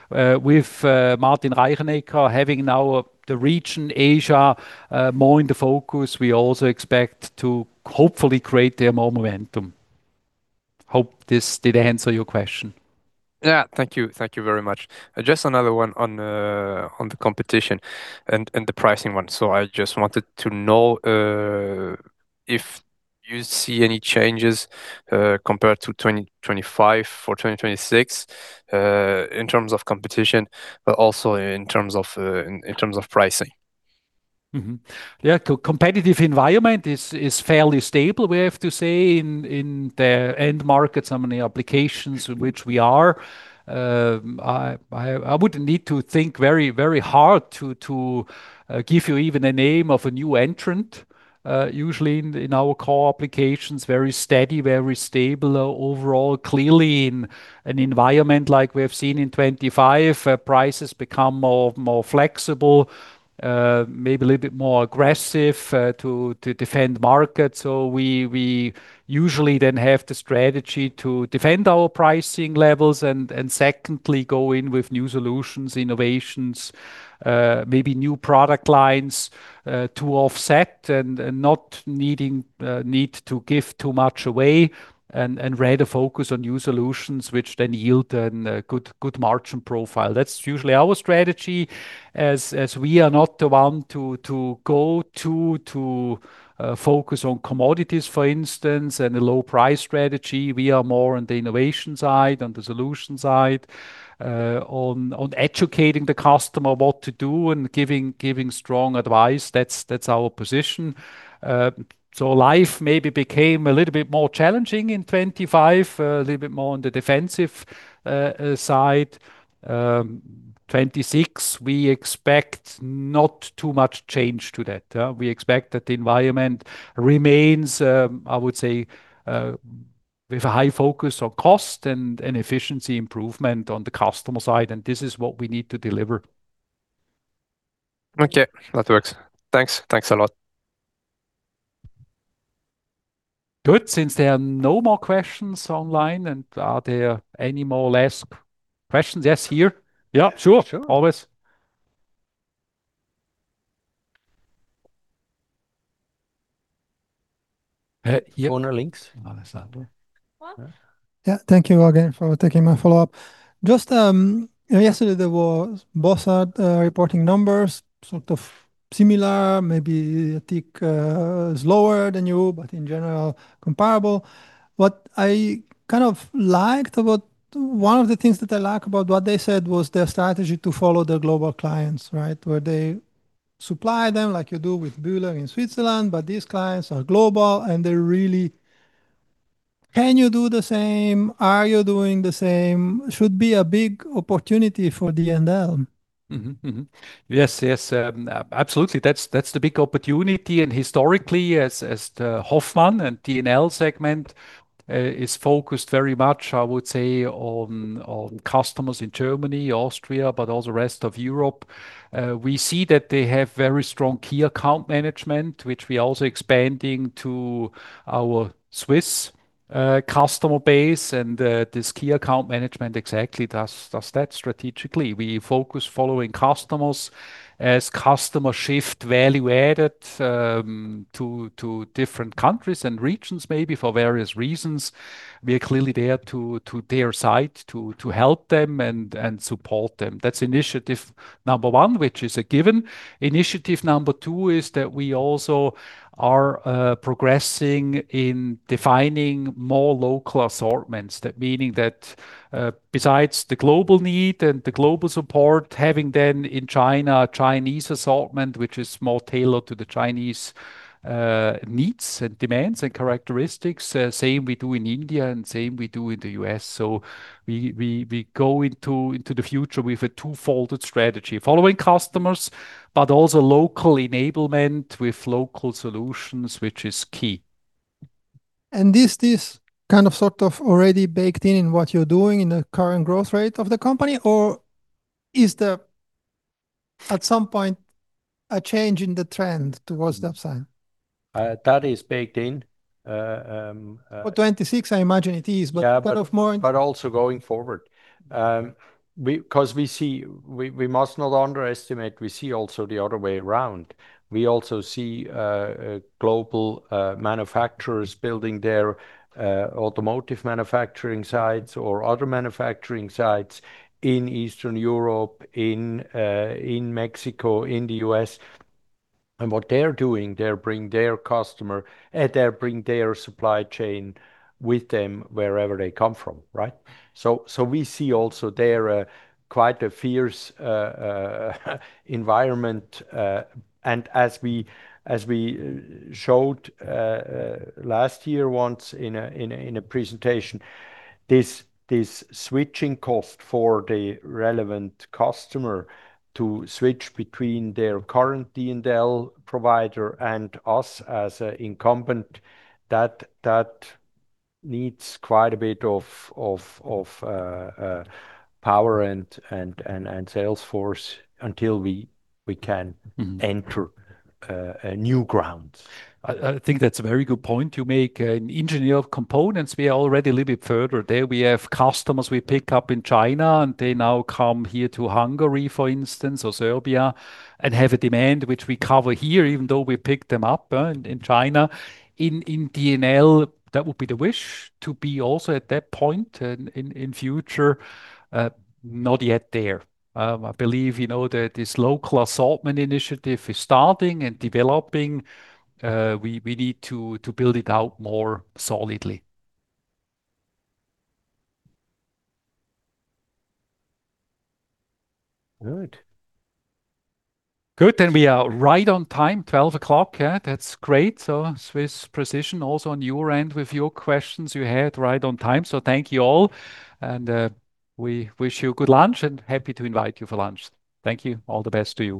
With Martin Reichenecker having now the region Asia, more in the focus, we also expect to hopefully create there more momentum. Hope this did answer your question. Yeah. Thank you. Thank you very much. Just another one on the competition and the pricing one. I just wanted to know, if you see any changes, compared to 2025 for 2026, in terms of competition, but also in terms of pricing. Competitive environment is fairly stable, we have to say, in the end markets on the applications in which we are. I would need to think very hard to give you even a name of a new entrant. Usually in our core applications, very steady, very stable overall. Clearly in an environment like we have seen in 2025, prices become more flexible, maybe a little bit more aggressive, to defend market. We usually then have the strategy to defend our pricing levels and secondly, go in with new solutions, innovations, maybe new product lines, to offset and not need to give too much away and rather focus on new solutions which then yield a good margin profile. That's usually our strategy as we are not the one to go to focus on commodities, for instance, and a low price strategy. We are more on the innovation side, on the solution side, on educating the customer what to do and giving strong advice. That's, that's our position. Life maybe became a little bit more challenging in 2025, a little bit more on the defensive side. 2026, we expect not too much change to that, we expect that the environment remains, I would say, with a high focus on cost and efficiency improvement on the customer side, and this is what we need to deliver. Okay. That works. Thanks. Thanks a lot. Good. Since there are no more questions online, are there any more last questions, yes, here? Yeah, sure. Sure. Always. Yeah. Owner links. Oh, that's that one. Well. Yeah. Thank you again for taking my follow-up. Just yesterday there was Bossard reporting numbers sort of similar, maybe a tick slower than you, but in general comparable. One of the things that I like about what they said was their strategy to follow their global clients, right? Where they supply them like you do with Bühler in Switzerland, but these clients are global, and they really. Can you do the same? Are you doing the same? Should be a big opportunity for D&L. Mm-hmm. Mm-hmm. Yes. Yes. Absolutely. That's the big opportunity. Historically, as the Hoffmann and D&L segment is focused very much, I would say, on customers in Germany, Austria, but also rest of Europe. We see that they have very strong key account management, which we're also expanding to our Swiss customer base. This key account management exactly does that strategically. We focus following customers. As customer shift value added to different countries and regions, maybe for various reasons, we are clearly there to their side to help them and support them. That's initiative number one, which is a given. Initiative number two is that we also are progressing in defining more local assortments. That meaning that, besides the global need and the global support, having then in China a Chinese assortment, which is more tailored to the Chinese needs and demands and characteristics. Same we do in India and same we do in the U.S. We go into the future with a two-folded strategy, following customers, but also local enablement with local solutions, which is key. This kind of, sort of already baked in in what you're doing in the current growth rate of the company? Is there at some point a change in the trend towards that side? That is baked in. For 2026, I imagine it is. Yeah. But of more- Also going forward, we must not underestimate, we see also the other way around. We also see global manufacturers building their automotive manufacturing sites or other manufacturing sites in Eastern Europe, in Mexico, in the U.S. What they're doing, they bring their customer, they bring their supply chain with them wherever they come from, right? We see also there quite a fierce environment. And as we, as we showed last year once in a presentation, this switching cost for the relevant customer to switch between their current D&L provider and us as a incumbent, that needs quite a bit of power and sales force until we enter new grounds. I think that's a very good point you make. In Engineered Components, we are already a little bit further. There we have customers we pick up in China, and they now come here to Hungary, for instance, or Serbia, and have a demand which we cover here, even though we picked them up in China. In D&L, that would be the wish to be also at that point in future. Not yet there. I believe you know that this local assortment initiative is starting and developing. We need to build it out more solidly. Good. Good. We are right on time, 12:00 P.M. Yeah. That's great. Swiss precision also on your end with your questions you had right on time. Thank you all, and we wish you good lunch, and happy to invite you for lunch. Thank you. All the best to you.